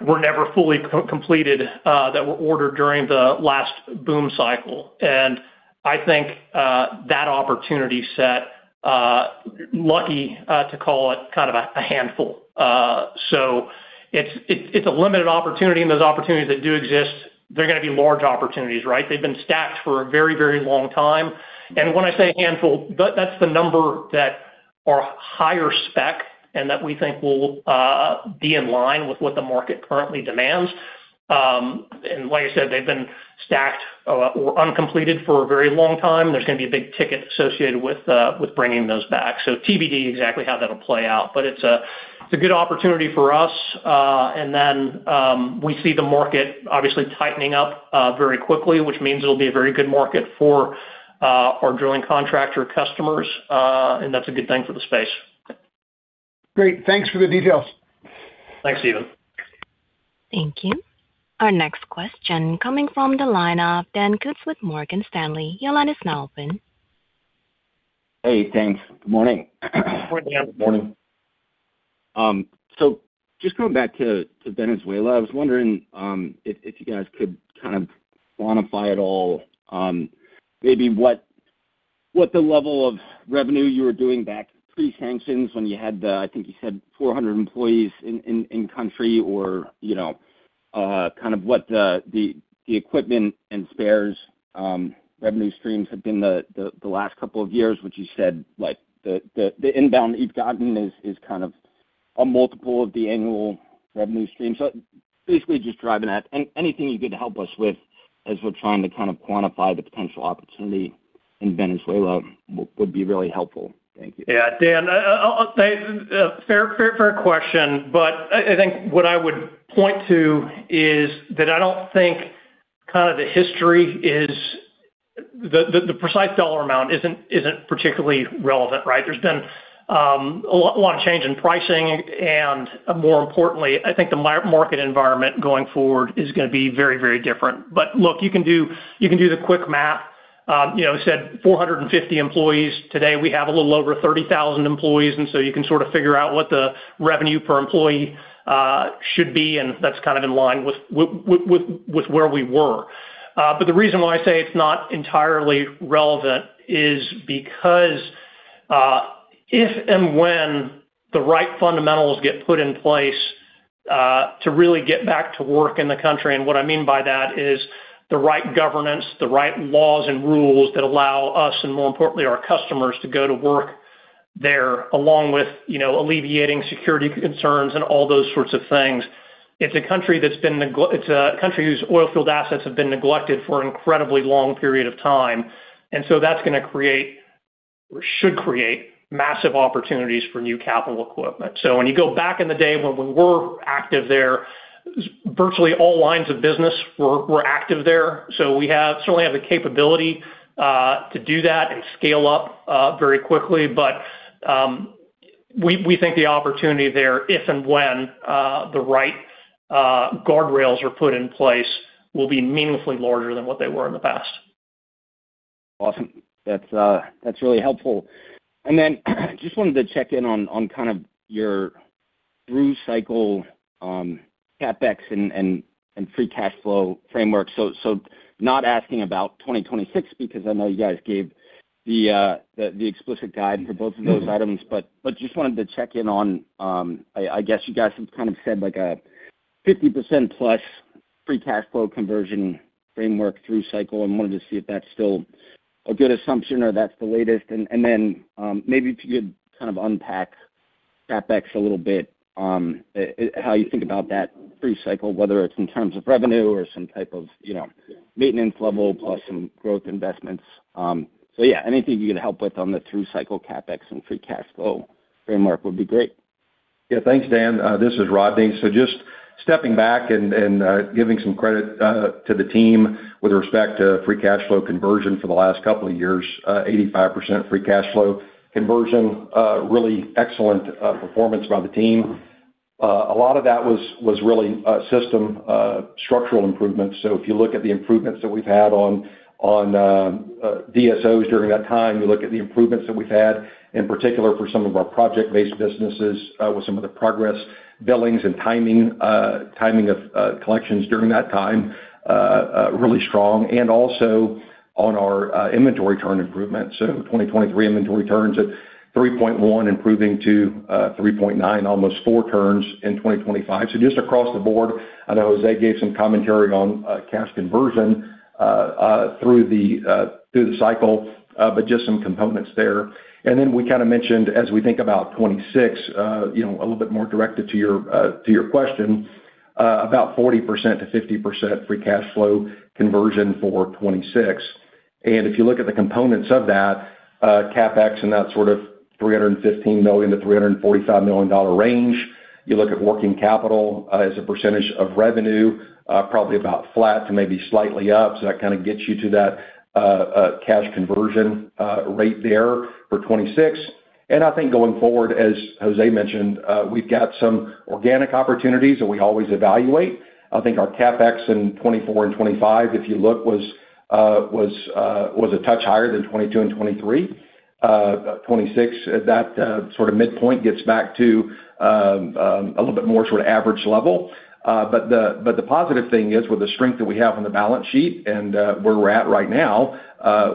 were never fully completed, that were ordered during the last boom cycle. And I think that opportunity set, lucky to call it kind of a handful. So it's a limited opportunity, and those opportunities that do exist, they're gonna be large opportunities, right? They've been stacked for a very, very long time. And when I say a handful, that's the number that are higher spec and that we think will be in line with what the market currently demands. And like I said, they've been stacked or uncompleted for a very long time. There's gonna be a big ticket associated with bringing those back. So TBD, exactly how that'll play out, but it's a good opportunity for us. And then, we see the market obviously tightening up very quickly, which means it'll be a very good market for our drilling contractor customers, and that's a good thing for the space. Great. Thanks for the details. Thanks, Stephen. Thank you. Our next question coming from the line of Daniel Kutz with Morgan Stanley. Your line is now open. Hey, thanks. Good morning. Good morning. Good morning. So just going back to Venezuela, I was wondering if you guys could kind of quantify at all maybe what the level of revenue you were doing back pre-sanctions, when you had the, I think you said 400 employees in country, or, you know, kind of what the equipment and spares revenue streams have been the last couple of years. Which you said, like, the inbound that you've gotten is kind of a multiple of the annual revenue stream. So basically, just driving that. And anything you could help us with, as we're trying to kind of quantify the potential opportunity in Venezuela, would be really helpful. Thank you. Yeah, Dan, I'll say fair question, but I think what I would point to is that I don't think kind of the history is. The precise dollar amount isn't particularly relevant, right? There's been a lot of change in pricing, and more importantly, I think the market environment going forward is gonna be very different. But look, you can do the quick math. You know, I said 450 employees. Today, we have a little over 30,000 employees, and so you can sort of figure out what the revenue per employee should be, and that's kind of in line with where we were. But the reason why I say it's not entirely relevant is because, if and when the right fundamentals get put in place, to really get back to work in the country, and what I mean by that is the right governance, the right laws and rules that allow us, and more importantly, our customers, to go to work there, along with, you know, alleviating security concerns and all those sorts of things. It's a country whose oil field assets have been neglected for an incredibly long period of time, and so that's gonna create, or should create, massive opportunities for new capital equipment. So when you go back in the day when we were active there, virtually all lines of business were active there, so we certainly have the capability to do that and scale up very quickly. But we think the opportunity there, if and when the right guardrails are put in place, will be meaningfully larger than what they were in the past. Awesome. That's really helpful. And then just wanted to check in on kind of your through-cycle CapEx and free cash flow framework. So not asking about 2026, because I know you guys gave the explicit guide for both of those items. But just wanted to check in on, I guess you guys have kind of said like a 50%+ free cash flow conversion framework through cycle. I wanted to see if that's still a good assumption or that's the latest. And then maybe if you could kind of unpack CapEx a little bit, how you think about that through cycle, whether it's in terms of revenue or some type of, you know, maintenance level plus some growth investments. So yeah, anything you can help with on the through cycle CapEx and free cash flow framework would be great. Yeah. Thanks, Dan. This is Rodney. So just stepping back and giving some credit to the team with respect to free cash flow conversion for the last couple of years, 85% free cash flow conversion, really excellent performance by the team. A lot of that was really system structural improvements. So if you look at the improvements that we've had on DSOs during that time, you look at the improvements that we've had, in particular for some of our project-based businesses, with some of the progress billings and timing of collections during that time, really strong, and also on our inventory turn improvements. So 2023 inventory turns at 3.1, improving to 3.9, almost four turns in 2025. So just across the board, I know Jose gave some commentary on cash conversion through the cycle, but just some components there. And then we kind of mentioned as we think about 2026, you know, a little bit more directed to your to your question about 40%-50% free cash flow conversion for 2026. And if you look at the components of that, CapEx and that sort of $315 million-$345 million dollar range, you look at working capital as a percentage of revenue, probably about flat to maybe slightly up. So that kinda gets you to that cash conversion rate there for 2026. And I think going forward, as Jose mentioned, we've got some organic opportunities that we always evaluate. I think our CapEx in 2024 and 2025, if you look, was a touch higher than 2022 and 2023. 2026, at that sort of midpoint, gets back to a little bit more sort of average level. But the positive thing is, with the strength that we have on the balance sheet and where we're at right now,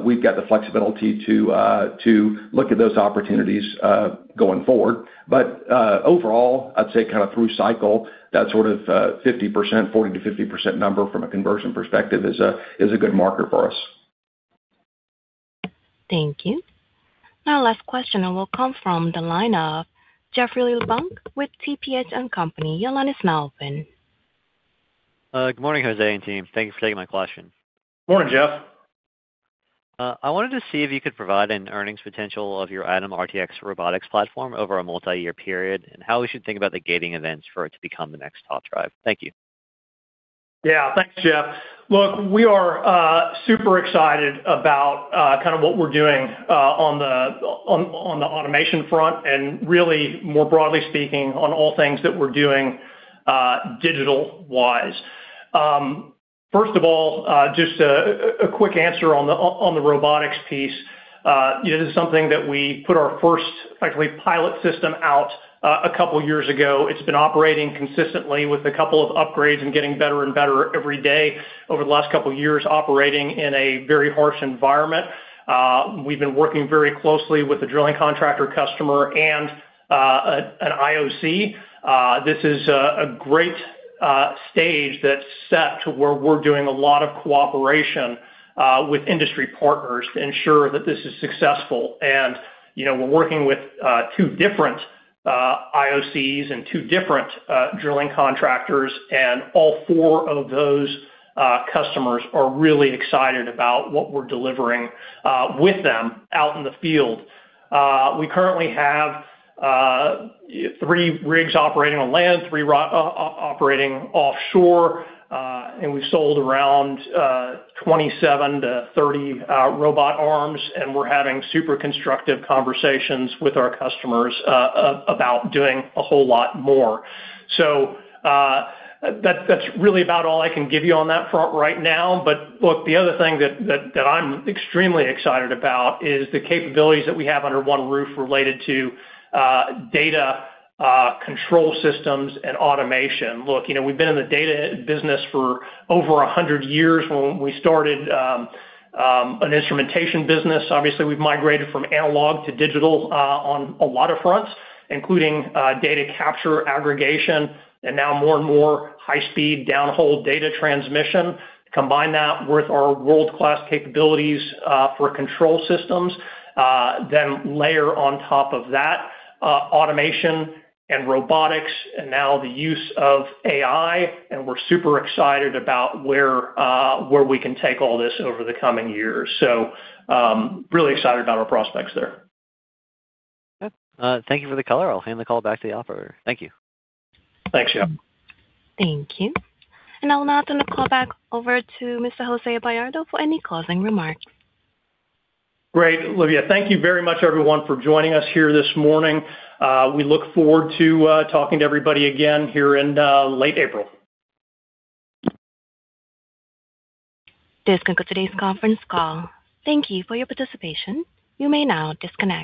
we've got the flexibility to look at those opportunities going forward. But overall, I'd say kind of through cycle, that sort of 50%, 40%-50% number from a conversion perspective is a good marker for us. Thank you. Now, last question will come from the line of Jeff LeBlanc with TPH and Company, your line is now open. Good morning, Jose and team. Thanks for taking my question. Morning, Jeff. I wanted to see if you could provide an earnings potential of your ATOM RTX robotics platform over a multiyear period, and how we should think about the gating events for it to become the next Top Drive. Thank you. Yeah, thanks, Jeff. Look, we are super excited about kind of what we're doing on the automation front, and really more broadly speaking, on all things that we're doing digital-wise. First of all, just a quick answer on the robotics piece. It is something that we put our first actually pilot system out a couple of years ago. It's been operating consistently with a couple of upgrades and getting better and better every day over the last couple of years, operating in a very harsh environment. We've been working very closely with the drilling contractor customer and an IOC. This is a great stage that's set to where we're doing a lot of cooperation with industry partners to ensure that this is successful. You know, we're working with two different IOCs and two different drilling contractors, and all four of those customers are really excited about what we're delivering with them out in the field. We currently have three rigs operating on land, three operating offshore, and we've sold around 27-30 robot arms, and we're having super constructive conversations with our customers about doing a whole lot more. That's really about all I can give you on that front right now. But look, the other thing that I'm extremely excited about is the capabilities that we have under one roof related to data control systems and automation. Look, you know, we've been in the data business for over 100 years when we started an instrumentation business. Obviously, we've migrated from analog to digital on a lot of fronts, including data capture, aggregation, and now more and more high-speed downhole data transmission. Combine that with our world-class capabilities for control systems, then layer on top of that automation and robotics, and now the use of AI, and we're super excited about where we can take all this over the coming years. So, really excited about our prospects there. Thank you for the color. I'll hand the call back to the operator. Thank you. Thanks, Jeff. Thank you. I'll now turn the call back over to Mr. Jose Bayardo for any closing remarks. Great, Olivia. Thank you very much, everyone, for joining us here this morning. We look forward to talking to everybody again here in late April. This concludes today's conference call. Thank you for your participation. You may now disconnect.